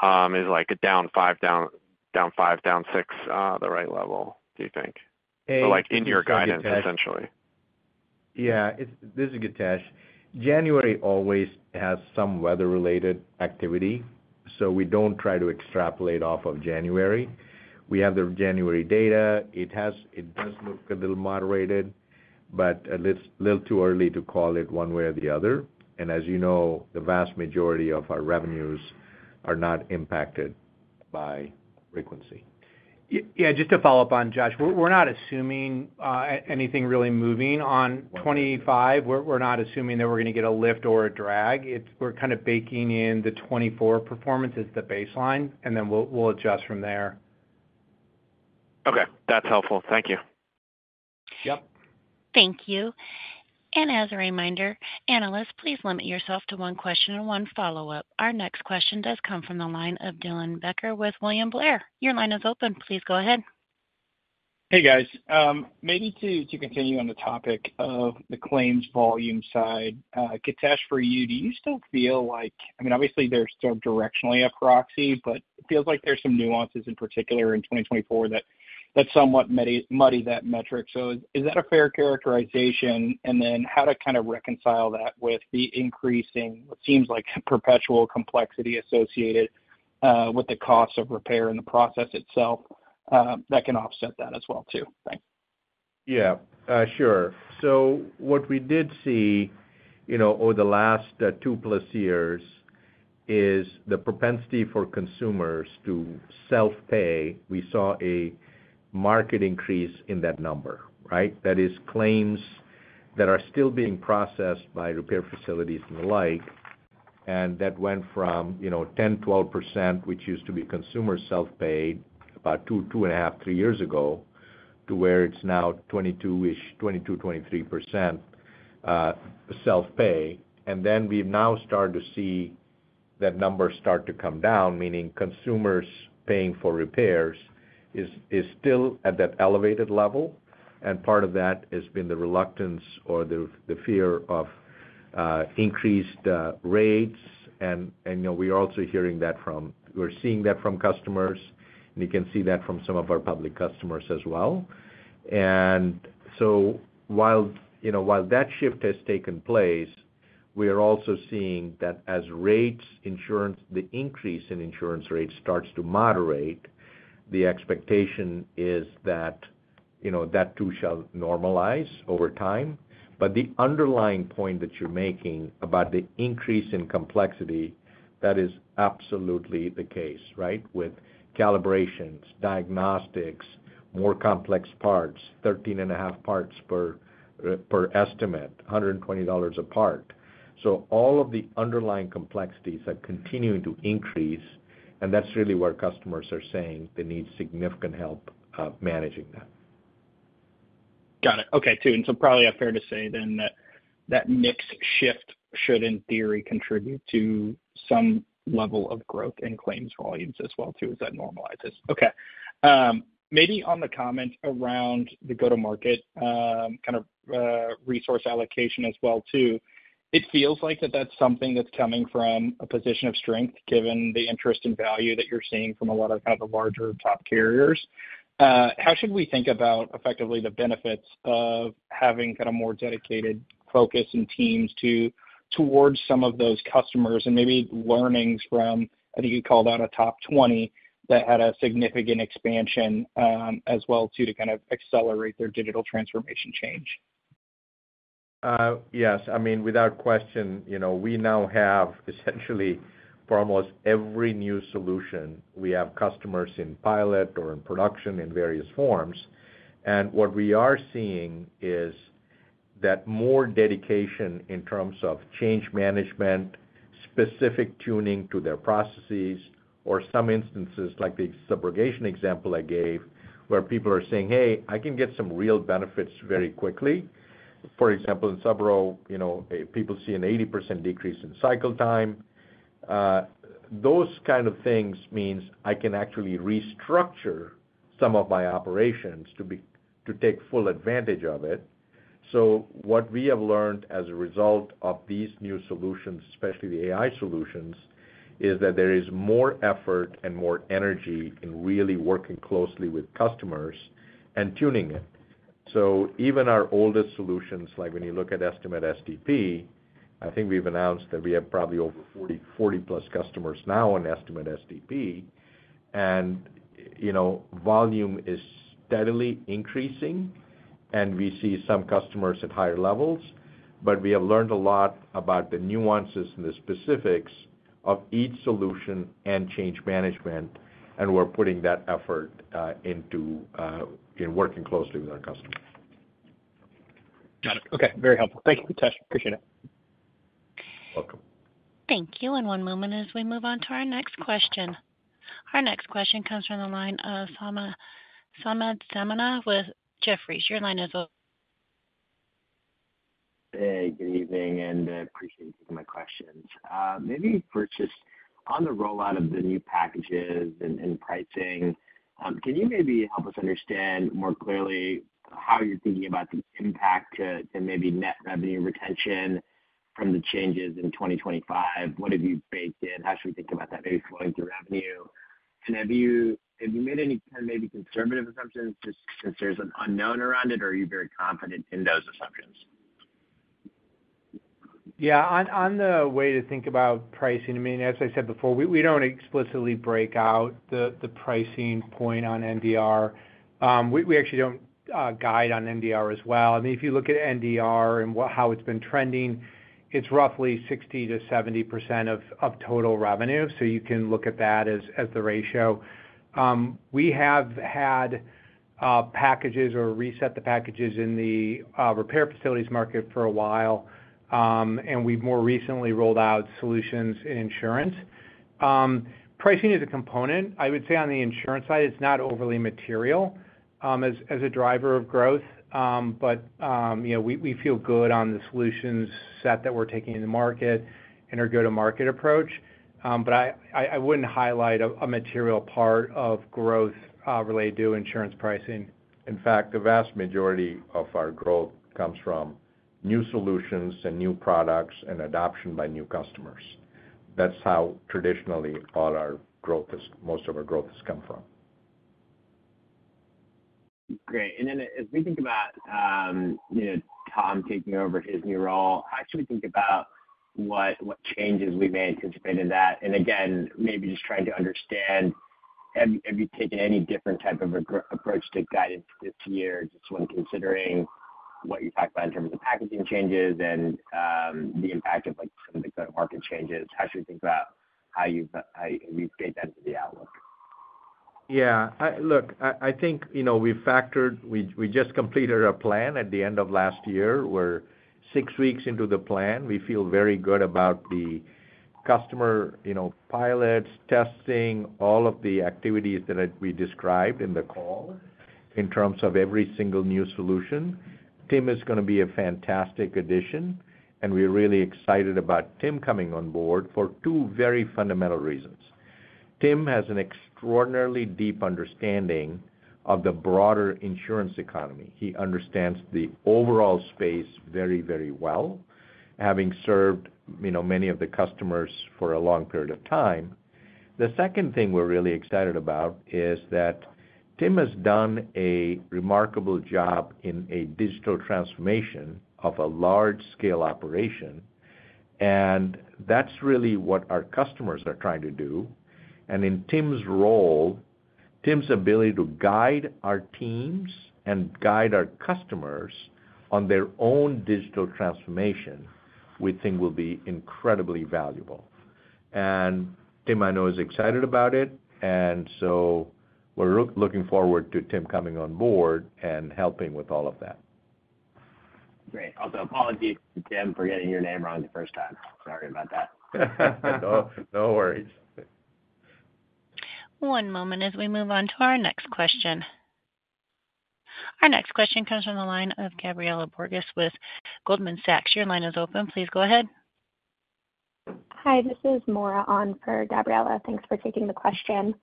is a down five, down five, down six the right level, do you think? Or in your guidance, essentially. Yeah. This is a good test. January always has some weather-related activity, so we don't try to extrapolate off of January. We have the January data. It does look a little moderated, but a little too early to call it one way or the other. And as you know, the vast majority of our revenues are not impacted by frequency. Yeah. Just to follow up on, Josh, we're not assuming anything really moving on 2025. We're not assuming that we're going to get a lift or a drag. We're kind of baking in the 2024 performance as the baseline, and then we'll adjust from there. Okay. That's helpful. Thank you. Yep. Thank you. And as a reminder, analysts, please limit yourself to one question and one follow-up. Our next question does come from the line of Dylan Becker with William Blair. Your line is open. Please go ahead. Hey, guys. Maybe to continue on the topic of the claims volume side, Githesh, for you, do you still feel like I mean, obviously, there's still directionally a proxy, but it feels like there's some nuances in particular in 2024 that somewhat muddy that metric. So, is that a fair characterization? And then how to kind of reconcile that with the increasing, what seems like perpetual complexity associated with the cost of repair and the process itself that can offset that as well too? Thanks. Yeah. Sure. So, what we did see over the last two-plus years is the propensity for consumers to self-pay. We saw a marked increase in that number, right? That is claims that are still being processed by repair facilities and the like, and that went from 10%-12%, which used to be consumer self-pay about two, two and a half, three years ago, to where it's now 22%-23% self-pay. And then we've now started to see that number start to come down, meaning consumers paying for repairs is still at that elevated level. And part of that has been the reluctance or the fear of increased rates. And we are also seeing that from customers, and you can see that from some of our public customers as well. And so, while that shift has taken place, we are also seeing that as insurance rates, the increase in insurance rates starts to moderate, the expectation is that that too shall normalize over time. But the underlying point that you're making about the increase in complexity, that is absolutely the case, right? With calibrations, diagnostics, more complex parts, 13 and a half parts per estimate, $120 a part. So, all of the underlying complexities are continuing to increase, and that's really what customers are saying they need significant help managing that. Got it. Okay. And so probably fair to say then that that mix shift should, in theory, contribute to some level of growth in claims volumes as well too as that normalizes. Okay. Maybe on the comment around the go-to-market kind of resource allocation as well too, it feels like that that's something that's coming from a position of strength given the interest in value that you're seeing from a lot of kind of the larger top carriers. How should we think about effectively the benefits of having kind of more dedicated focus and teams towards some of those customers and maybe learnings from, I think you called out a top 20 that had a significant expansion as well too to kind of accelerate their digital transformation change? Yes. I mean, without question, we now have essentially for almost every new solution, we have customers in pilot or in production in various forms. And what we are seeing is that more dedication in terms of change management, specific tuning to their processes, or some instances like the subrogation example I gave where people are saying, "Hey, I can get some real benefits very quickly." For example, in Subro, people see an 80% decrease in cycle time. Those kind of things mean I can actually restructure some of my operations to take full advantage of it. So, what we have learned as a result of these new solutions, especially the AI solutions, is that there is more effort and more energy in really working closely with customers and tuning it. So, even our oldest solutions, like when you look at Estimate-STP, I think we've announced that we have probably over 40-plus customers now on Estimate-STP, and volume is steadily increasing, and we see some customers at higher levels. But we have learned a lot about the nuances and the specifics of each solution and change management, and we're putting that effort into working closely with our customers. Got it. Okay. Very helpful. Thank you, Githesh. Appreciate it. Welcome. Thank you. And one moment as we move on to our next question. Our next question comes from the line of Samad Samana with Jefferies. Your line is open. Hey, good evening, and I appreciate you taking my questions. Maybe for just on the rollout of the new packages and pricing, can you maybe help us understand more clearly how you're thinking about the impact to maybe net revenue retention from the changes in 2025? What have you baked in? How should we think about that maybe flowing through revenue? And have you made any kind of maybe conservative assumptions just since there's an unknown around it, or are you very confident in those assumptions? Yeah. One way to think about pricing, I mean, as I said before, we don't explicitly break out the pricing point on NDR. We actually don't guide on NDR as well. I mean, if you look at NDR and how it's been trending, it's roughly 60%-70% of total revenue. So, you can look at that as the ratio. We have had packages or reset the packages in the repair facilities market for a while, and we've more recently rolled out solutions in insurance. Pricing is a component. I would say on the insurance side, it's not overly material as a driver of growth, but we feel good on the solutions set that we're taking in the market and our go-to-market approach. But I wouldn't highlight a material part of growth related to insurance pricing. In fact, the vast majority of our growth comes from new solutions and new products and adoption by new customers. That's how traditionally all our growth is most of our growth has come from. Great. And then as we think about Tim taking over his new role, how should we think about what changes we may anticipate in that? Again, maybe just trying to understand, have you taken any different type of approach to guidance this year? Just when considering what you talked about in terms of packaging changes and the impact of some of the go-to-market changes, how should we think about how you've baked that into the outlook? Yeah. Look, I think we just completed our plan at the end of last year. We're six weeks into the plan. We feel very good about the customer pilots, testing, all of the activities that we described in the call in terms of every single new solution. Tim is going to be a fantastic addition, and we're really excited about Tim coming on board for two very fundamental reasons. Tim has an extraordinarily deep understanding of the broader insurance economy. He understands the overall space very, very well, having served many of the customers for a long period of time. The second thing we're really excited about is that Tim has done a remarkable job in a digital transformation of a large-scale operation, and that's really what our customers are trying to do. And in Tim's role, Tim's ability to guide our teams and guide our customers on their own digital transformation, we think will be incredibly valuable. And Tim, I know, is excited about it, and so we're looking forward to Tim coming on board and helping with all of that. Great. Also, apologies to Tim for getting your name wrong the first time. Sorry about that. No worries. One moment as we move on to our next question. Our next question comes from the line of Gabriela Borges with Goldman Sachs. Your line is open. Please go ahead. Hi. This is Moira on for Gabriela. Thanks for taking the question.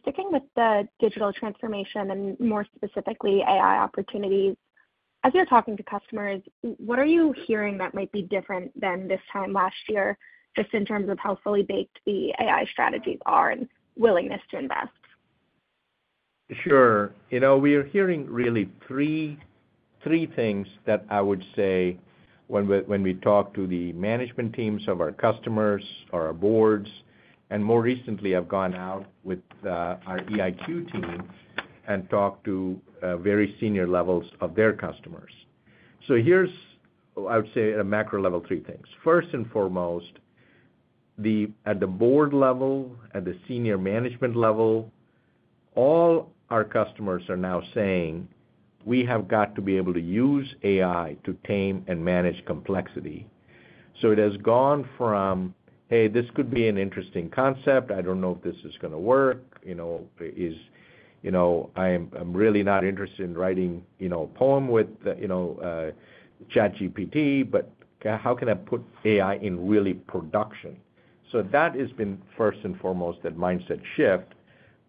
Sticking with the digital transformation and more specifically AI opportunities, as you're talking to customers, what are you hearing that might be different than this time last year just in terms of how fully baked the AI strategies are and willingness to invest? Sure. We are hearing really three things that I would say when we talk to the management teams of our customers or our boards, and more recently, I've gone out with our EIQ team and talked to very senior levels of their customers. So here's, I would say, at a macro level, three things. First and foremost, at the board level, at the senior management level, all our customers are now saying, "We have got to be able to use AI to tame and manage complexity." So it has gone from, "Hey, this could be an interesting concept. I don't know if this is going to work. I'm really not interested in writing a poem with ChatGPT, but how can I put AI in really production?" So that has been first and foremost that mindset shift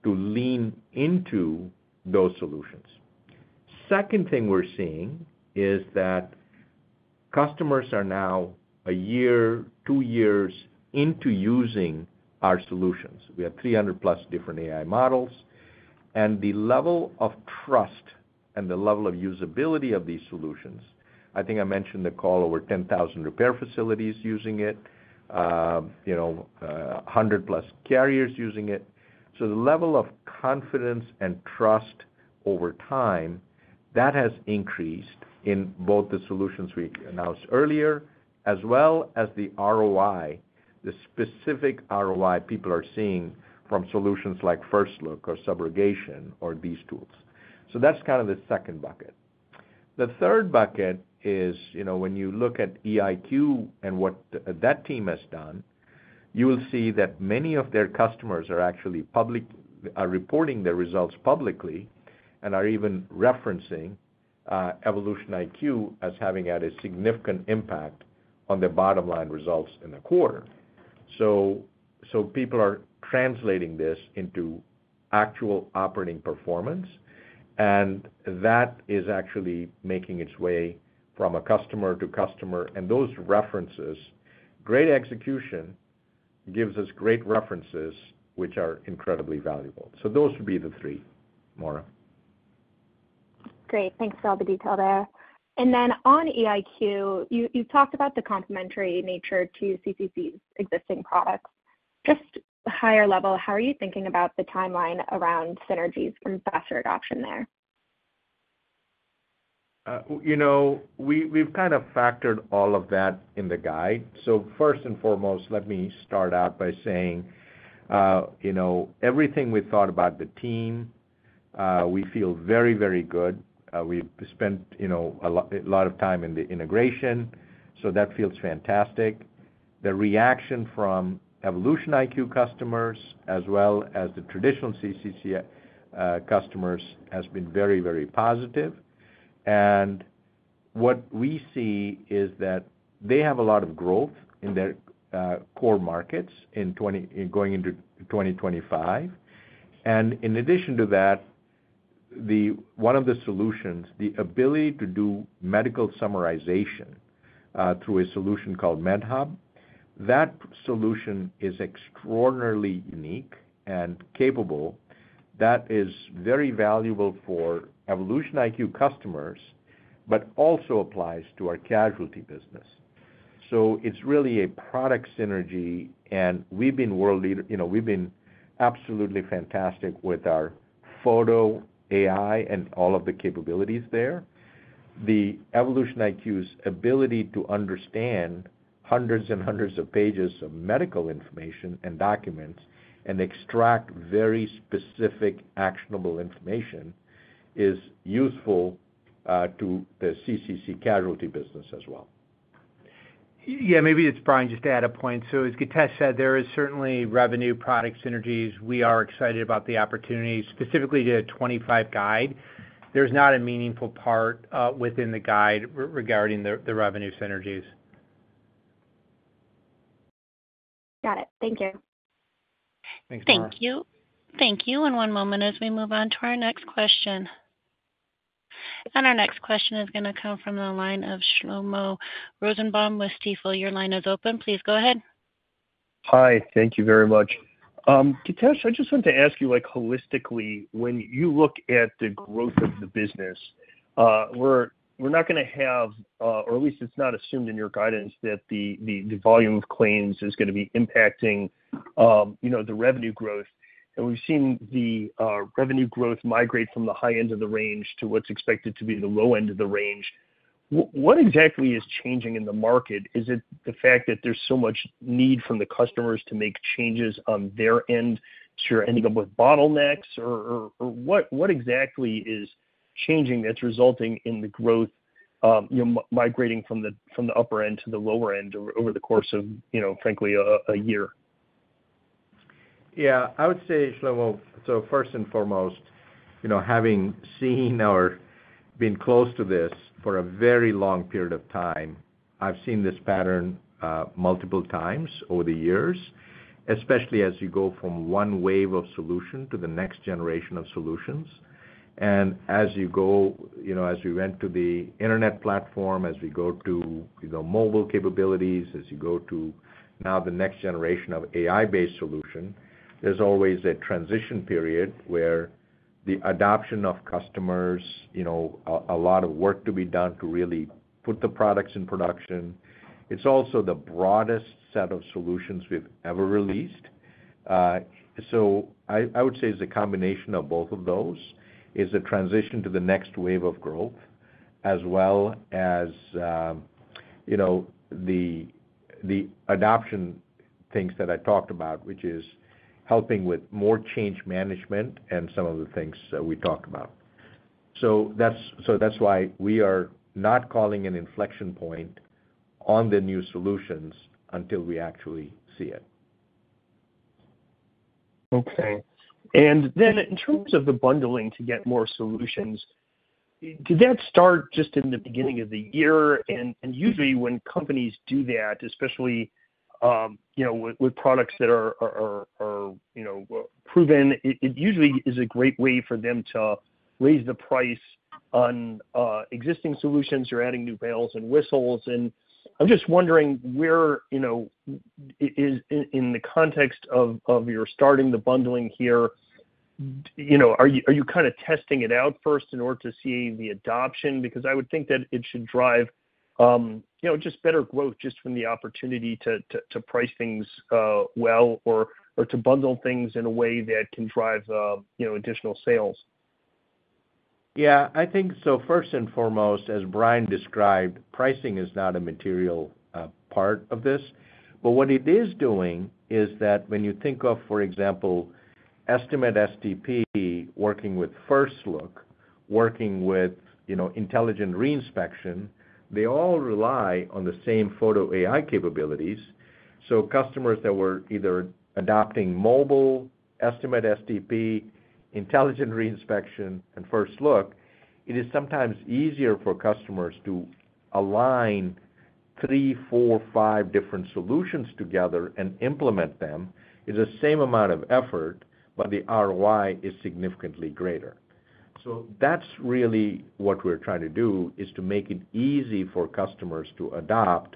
to lean into those solutions. Second thing we're seeing is that customers are now a year, two years into using our solutions. We have 300-plus different AI models, and the level of trust and the level of usability of these solutions, I think I mentioned the call, over 10,000 repair facilities using it, 100-plus carriers using it. So the level of confidence and trust over time that has increased in both the solutions we announced earlier as well as the ROI, the specific ROI people are seeing from solutions like First Look or Subrogation or these tools. So that's kind of the second bucket. The third bucket is when you look at EIQ and what that team has done, you will see that many of their customers are actually reporting their results publicly and are even referencing EvolutionIQ as having had a significant impact on their bottom-line results in the quarter. So people are translating this into actual operating performance, and that is actually making its way from customer to customer. And those references, great execution gives us great references, which are incredibly valuable. So those would be the three, Moira. Great. Thanks for all the detail there. And then on EIQ, you've talked about the complementary nature to CCC's existing products. Just higher level, how are you thinking about the timeline around synergies and faster adoption there? We've kind of factored all of that in the guide. So first and foremost, let me start out by saying everything we thought about the team, we feel very, very good. We've spent a lot of time in the integration, so that feels fantastic. The reaction from EvolutionIQ customers as well as the traditional CCC customers has been very, very positive. And what we see is that they have a lot of growth in their core markets going into 2025. And in addition to that, one of the solutions, the ability to do medical summarization through a solution called MedHub, that solution is extraordinarily unique and capable. That is very valuable for EvolutionIQ customers, but also applies to our casualty business. So it's really a product synergy, and we've been world leaders. We've been absolutely fantastic with our Photo AI and all of the capabilities there. The EvolutionIQ's ability to understand hundreds and hundreds of pages of medical information and documents and extract very specific actionable information is useful to the CCC casualty business as well. Yeah. Maybe it's fine just to add a point. So as Githesh said, there is certainly revenue product synergies. We are excited about the opportunity specifically to 2025 guide. There's not a meaningful part within the guide regarding the revenue synergies. Got it. Thank you. Thanks a lot. Thank you. Thank you. And one moment as we move on to our next question. Our next question is going to come from the line of Shlomo Rosenbaum with Stifel. Your line is open. Please go ahead. Hi. Thank you very much. Githesh, I just wanted to ask you holistically, when you look at the growth of the business, we're not going to have, or at least it's not assumed in your guidance that the volume of claims is going to be impacting the revenue growth. And we've seen the revenue growth migrate from the high end of the range to what's expected to be the low end of the range. What exactly is changing in the market? Is it the fact that there's so much need from the customers to make changes on their end, so you're ending up with bottlenecks, or what exactly is changing that's resulting in the growth migrating from the upper end to the lower end over the course of, frankly, a year? Yeah. I would say, Shlomo, so first and foremost, having seen or been close to this for a very long period of time, I've seen this pattern multiple times over the years, especially as you go from one wave of solution to the next generation of solutions. And as you go, as we went to the internet platform, as we go to mobile capabilities, as you go to now the next generation of AI-based solution, there's always a transition period where the adoption of customers, a lot of work to be done to really put the products in production It's also the broadest set of solutions we've ever released. So I would say it's a combination of both of those, is a transition to the next wave of growth, as well as the adoption things that I talked about, which is helping with more change management and some of the things we talked about. So that's why we are not calling an inflection point on the new solutions until we actually see it. Okay. And then in terms of the bundling to get more solutions, did that start just in the beginning of the year? And usually when companies do that, especially with products that are proven, it usually is a great way for them to raise the price on existing solutions or adding new bells and whistles. And I'm just wondering where in the context of your starting the bundling here, are you kind of testing it out first in order to see the adoption? Because I would think that it should drive just better growth just from the opportunity to price things well or to bundle things in a way that can drive additional sales. Yeah. I think so first and foremost, as Brian described, pricing is not a material part of this. But what it is doing is that when you think of, for example, Estimate-STP working with First Look, working with Intelligent Reinspection, they all rely on the same Photo AI capabilities. So customers that were either adopting mobile Estimate-STP, Intelligent Reinspection, and First Look, it is sometimes easier for customers to align three, four, five different solutions together and implement them. It's the same amount of effort, but the ROI is significantly greater. So that's really what we're trying to do, is to make it easy for customers to adopt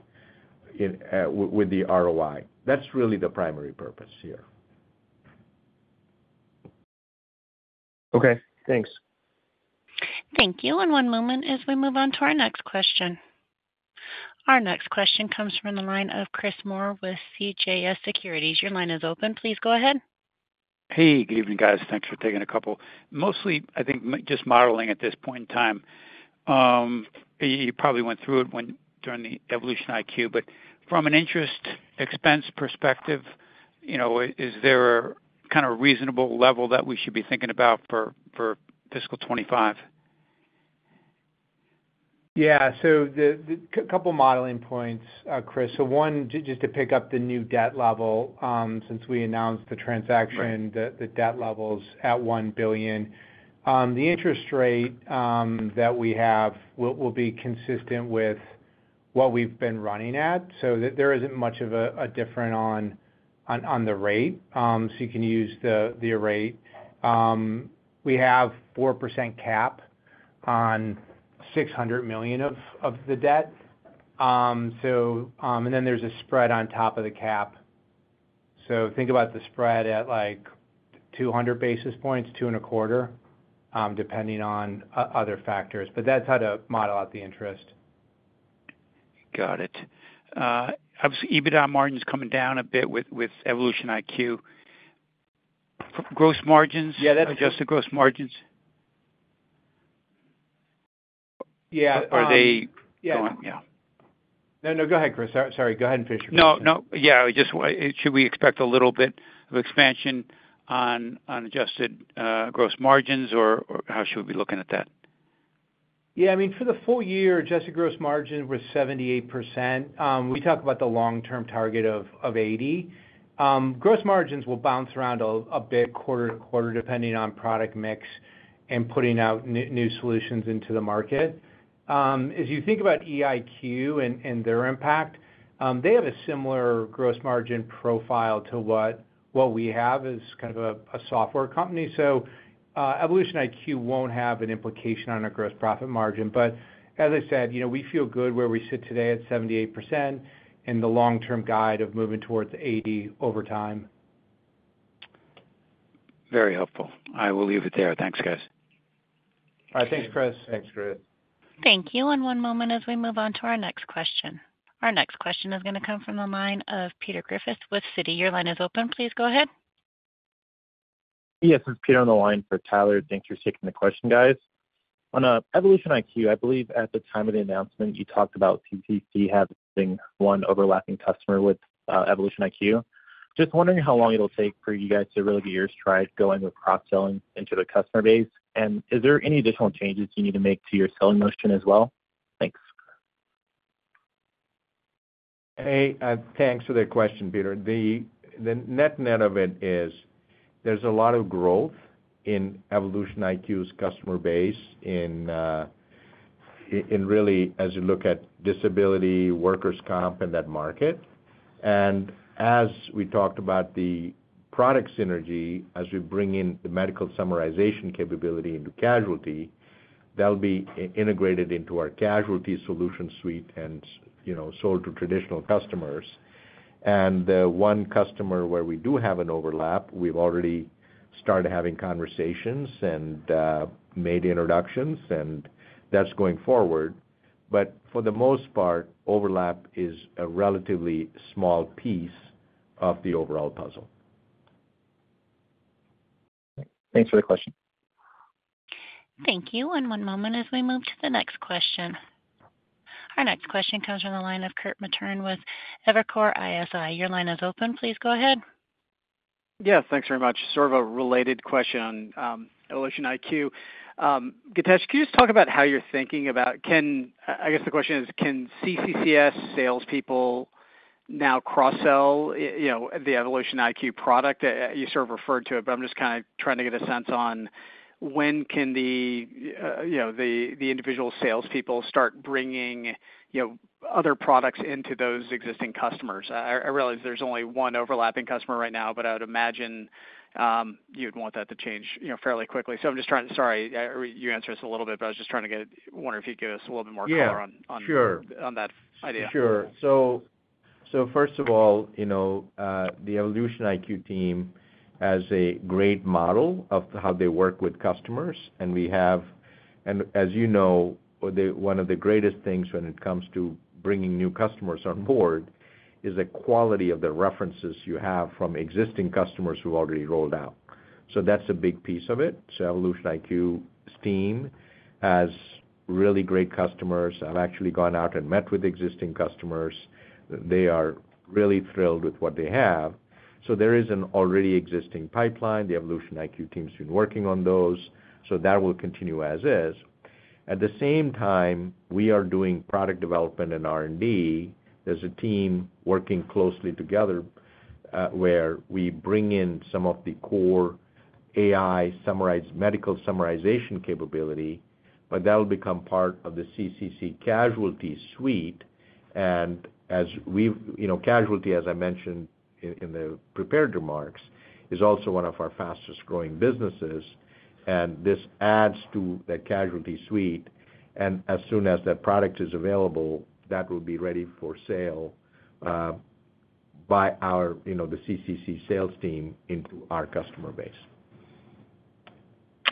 with the ROI. That's really the primary purpose here. Okay. Thanks. Thank you, and one moment as we move on to our next question. Our next question comes from the line of Chris Moore with CJS Securities. Your line is open. Please go ahead. Hey. Good evening, guys. Thanks for taking a couple. Mostly, I think, just modeling at this point in time. You probably went through it during the EvolutionIQ. But from an interest expense perspective, is there kind of a reasonable level that we should be thinking about for Fiscal 2025? Yeah. So a couple of modeling points, Chris. So one, just to pick up the new debt level since we announced the transaction, the debt levels at $1 billion. The interest rate that we have will be consistent with what we've been running at. So there isn't much of a difference on the rate. So you can use the rate. We have 4% cap on $600 million of the debt. And then there's a spread on top of the cap. So think about the spread at 200 basis points, 2 and a quarter, depending on other factors. But that's how to model out the interest. Got it. EBITDA margin's coming down a bit with EvolutionIQ. Gross margins? Yeah. That's just the gross margins. Yeah. Are they going? Yeah. No, no. Go ahead, Chris. Sorry. Go ahead and finish your question. No, no. Yeah. Should we expect a little bit of expansion on adjusted gross margins, or how should we be looking at that? Yeah. I mean, for the full year, adjusted gross margin was 78%. We talk about the long-term target of 80%. Gross margins will bounce around a bit quarter to quarter, depending on product mix and putting out new solutions into the market. As you think about EIQ and their impact, they have a similar gross margin profile to what we have as kind of a software company. So EvolutionIQ won't have an implication on our gross profit margin. But as I said, we feel good where we sit today at 78% and the long-term guide of moving towards 80% over time. Very helpful. I will leave it there. Thanks, guys. All right. Thanks, Chris. Thanks, Chris. Thank you. And one moment as we move on to our next question. Our next question is going to come from the line of Peter Griffith with Citi. Your line is open. Please go ahead. Yes. This is Peter on the line for Tyler. Thanks for taking the question, guys. On EvolutionIQ, I believe at the time of the announcement, you talked about CCC having one overlapping customer with EvolutionIQ. Just wondering how long it'll take for you guys to really get your stride going with cross-selling into the customer base. And is there any additional changes you need to make to your selling motion as well? Thanks. Hey. Thanks for the question, Peter. The net-net of it is there's a lot of growth in EvolutionIQ's customer base in really as you look at disability, workers' comp, and that market. And as we talked about the product synergy, as we bring in the medical summarization capability into casualty, that'll be integrated into our casualty solution suite and sold to traditional customers. And the one customer where we do have an overlap, we've already started having conversations and made introductions, and that's going forward. But for the most part, overlap is a relatively small piece of the overall puzzle. Thanks for the question. Thank you. One moment as we move to the next question. Our next question comes from the line of Kirk Materne with Evercore ISI. Your line is open. Please go ahead. Yeah. Thanks very much. Sort of a related question on EvolutionIQ. Githesh, can you just talk about how you're thinking about, I guess the question is, can CCC's salespeople now cross-sell the EvolutionIQ product? You sort of referred to it, but I'm just kind of trying to get a sense on when can the individual salespeople start bringing other products into those existing customers? I realize there's only one overlapping customer right now, but I would imagine you'd want that to change fairly quickly. So I'm just trying to, sorry, you answered us a little bit, but I was just trying to get, wonder if you'd give us a little bit more color on that idea. Sure. So first of all, the EvolutionIQ team has a great model of how they work with customers. And as you know, one of the greatest things when it comes to bringing new customers on board is the quality of the references you have from existing customers who've already rolled out. So that's a big piece of it. So EvolutionIQ's team has really great customers. I've actually gone out and met with existing customers. They are really thrilled with what they have. So there is an already existing pipeline. The EvolutionIQ team's been working on those. So that will continue as is. At the same time, we are doing product development and R&D. There's a team working closely together where we bring in some of the core AI medical summarization capability, but that'll become part of the CCC Casualty Suite. Casualty, as I mentioned in the prepared remarks, is also one of our fastest-growing businesses. This adds to that casualty suite. As soon as that product is available, that will be ready for sale by the CCC sales team into our customer base.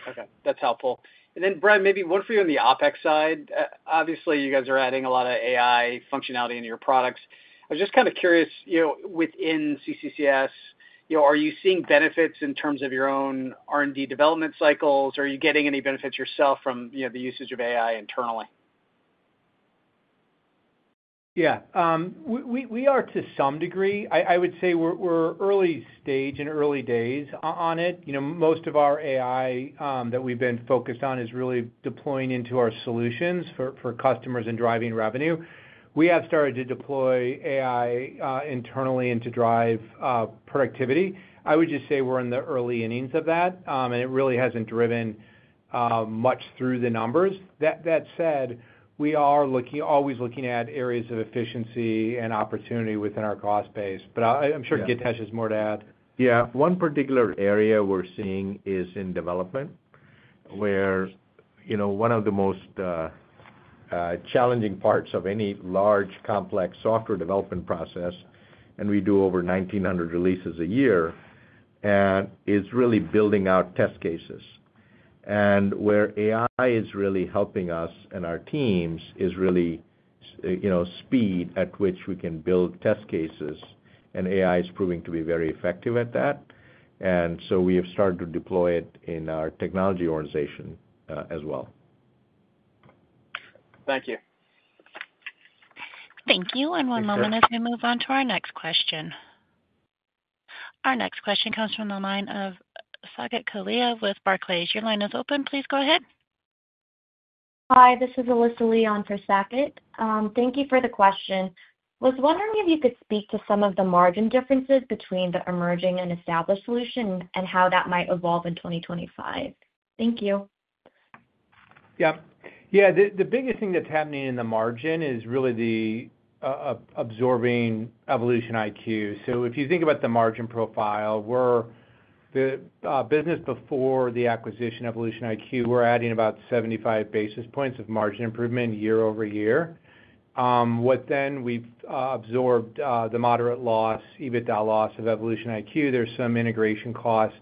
Okay. That's helpful. Then, Brian, maybe one for you on the OpEx side. Obviously, you guys are adding a lot of AI functionality into your products. I was just kind of curious, within CCC's, are you seeing benefits in terms of your own R&D development cycles? Are you getting any benefits yourself from the usage of AI internally? Yeah. We are, to some degree. I would say we're early stage and early days on it. Most of our AI that we've been focused on is really deploying into our solutions for customers and driving revenue. We have started to deploy AI internally and to drive productivity. I would just say we're in the early innings of that, and it really hasn't driven much through the numbers. That said, we are always looking at areas of efficiency and opportunity within our cost base. But I'm sure Githesh has more to add. Yeah. One particular area we're seeing is in development, where one of the most challenging parts of any large complex software development process, and we do over 1,900 releases a year, is really building out test cases. And where AI is really helping us and our teams is really speed at which we can build test cases. And AI is proving to be very effective at that. And so we have started to deploy it in our technology organization as well. Thank you. Thank you. And one moment as we move on to our next question. Our next question comes from the line of Saket Kalia with Barclays. Your line is open. Please go ahead. Hi. This is Alyssa Leon for Saket. Thank you for the question. I was wondering if you could speak to some of the margin differences between the emerging and established solution and how that might evolve in 2025. Thank you. Yep. Yeah. The biggest thing that's happening in the margin is really the absorbing EvolutionIQ. So if you think about the margin profile, the business before the acquisition of EvolutionIQ, we're adding about 75 basis points of margin improvement year-over-year. But then we've absorbed the moderate loss, EBITDA loss of EvolutionIQ. There's some integration costs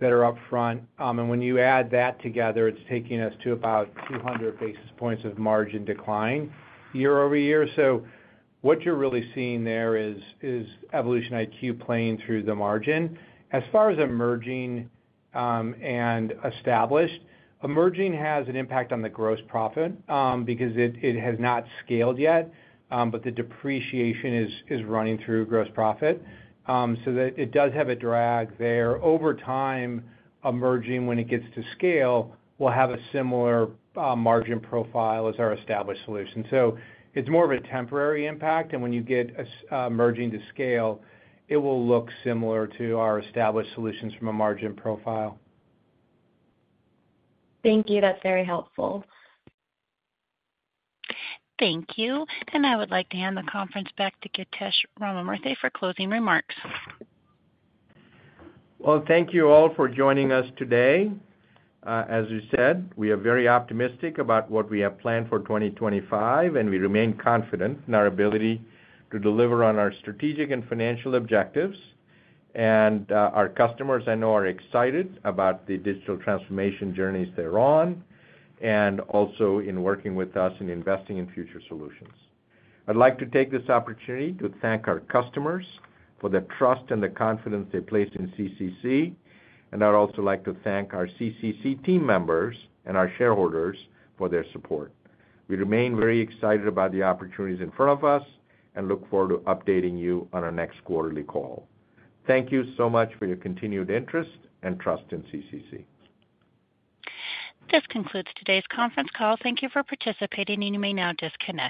that are upfront. And when you add that together, it's taking us to about 200 basis points of margin decline year-over-year. So what you're really seeing there is EvolutionIQ playing through the margin. As far as emerging and established, emerging has an impact on the gross profit because it has not scaled yet, but the depreciation is running through gross profit. So it does have a drag there. Over time, emerging, when it gets to scale, will have a similar margin profile as our established solution. So it's more of a temporary impact. And when you get emerging to scale, it will look similar to our established solutions from a margin profile. Thank you. That's very helpful. Thank you. And I would like to hand the conference back to Githesh Ramamurthy for closing remarks. Well, thank you all for joining us today. As you said, we are very optimistic about what we have planned for 2025, and we remain confident in our ability to deliver on our strategic and financial objectives. And our customers, I know, are excited about the digital transformation journeys they're on and also in working with us and investing in future solutions. I'd like to take this opportunity to thank our customers for the trust and the confidence they place in CCC. And I'd also like to thank our CCC team members and our shareholders for their support. We remain very excited about the opportunities in front of us and look forward to updating you on our next quarterly call. Thank you so much for your continued interest and trust in CCC. This concludes today's conference call. Thank you for participating, and you may now disconnect.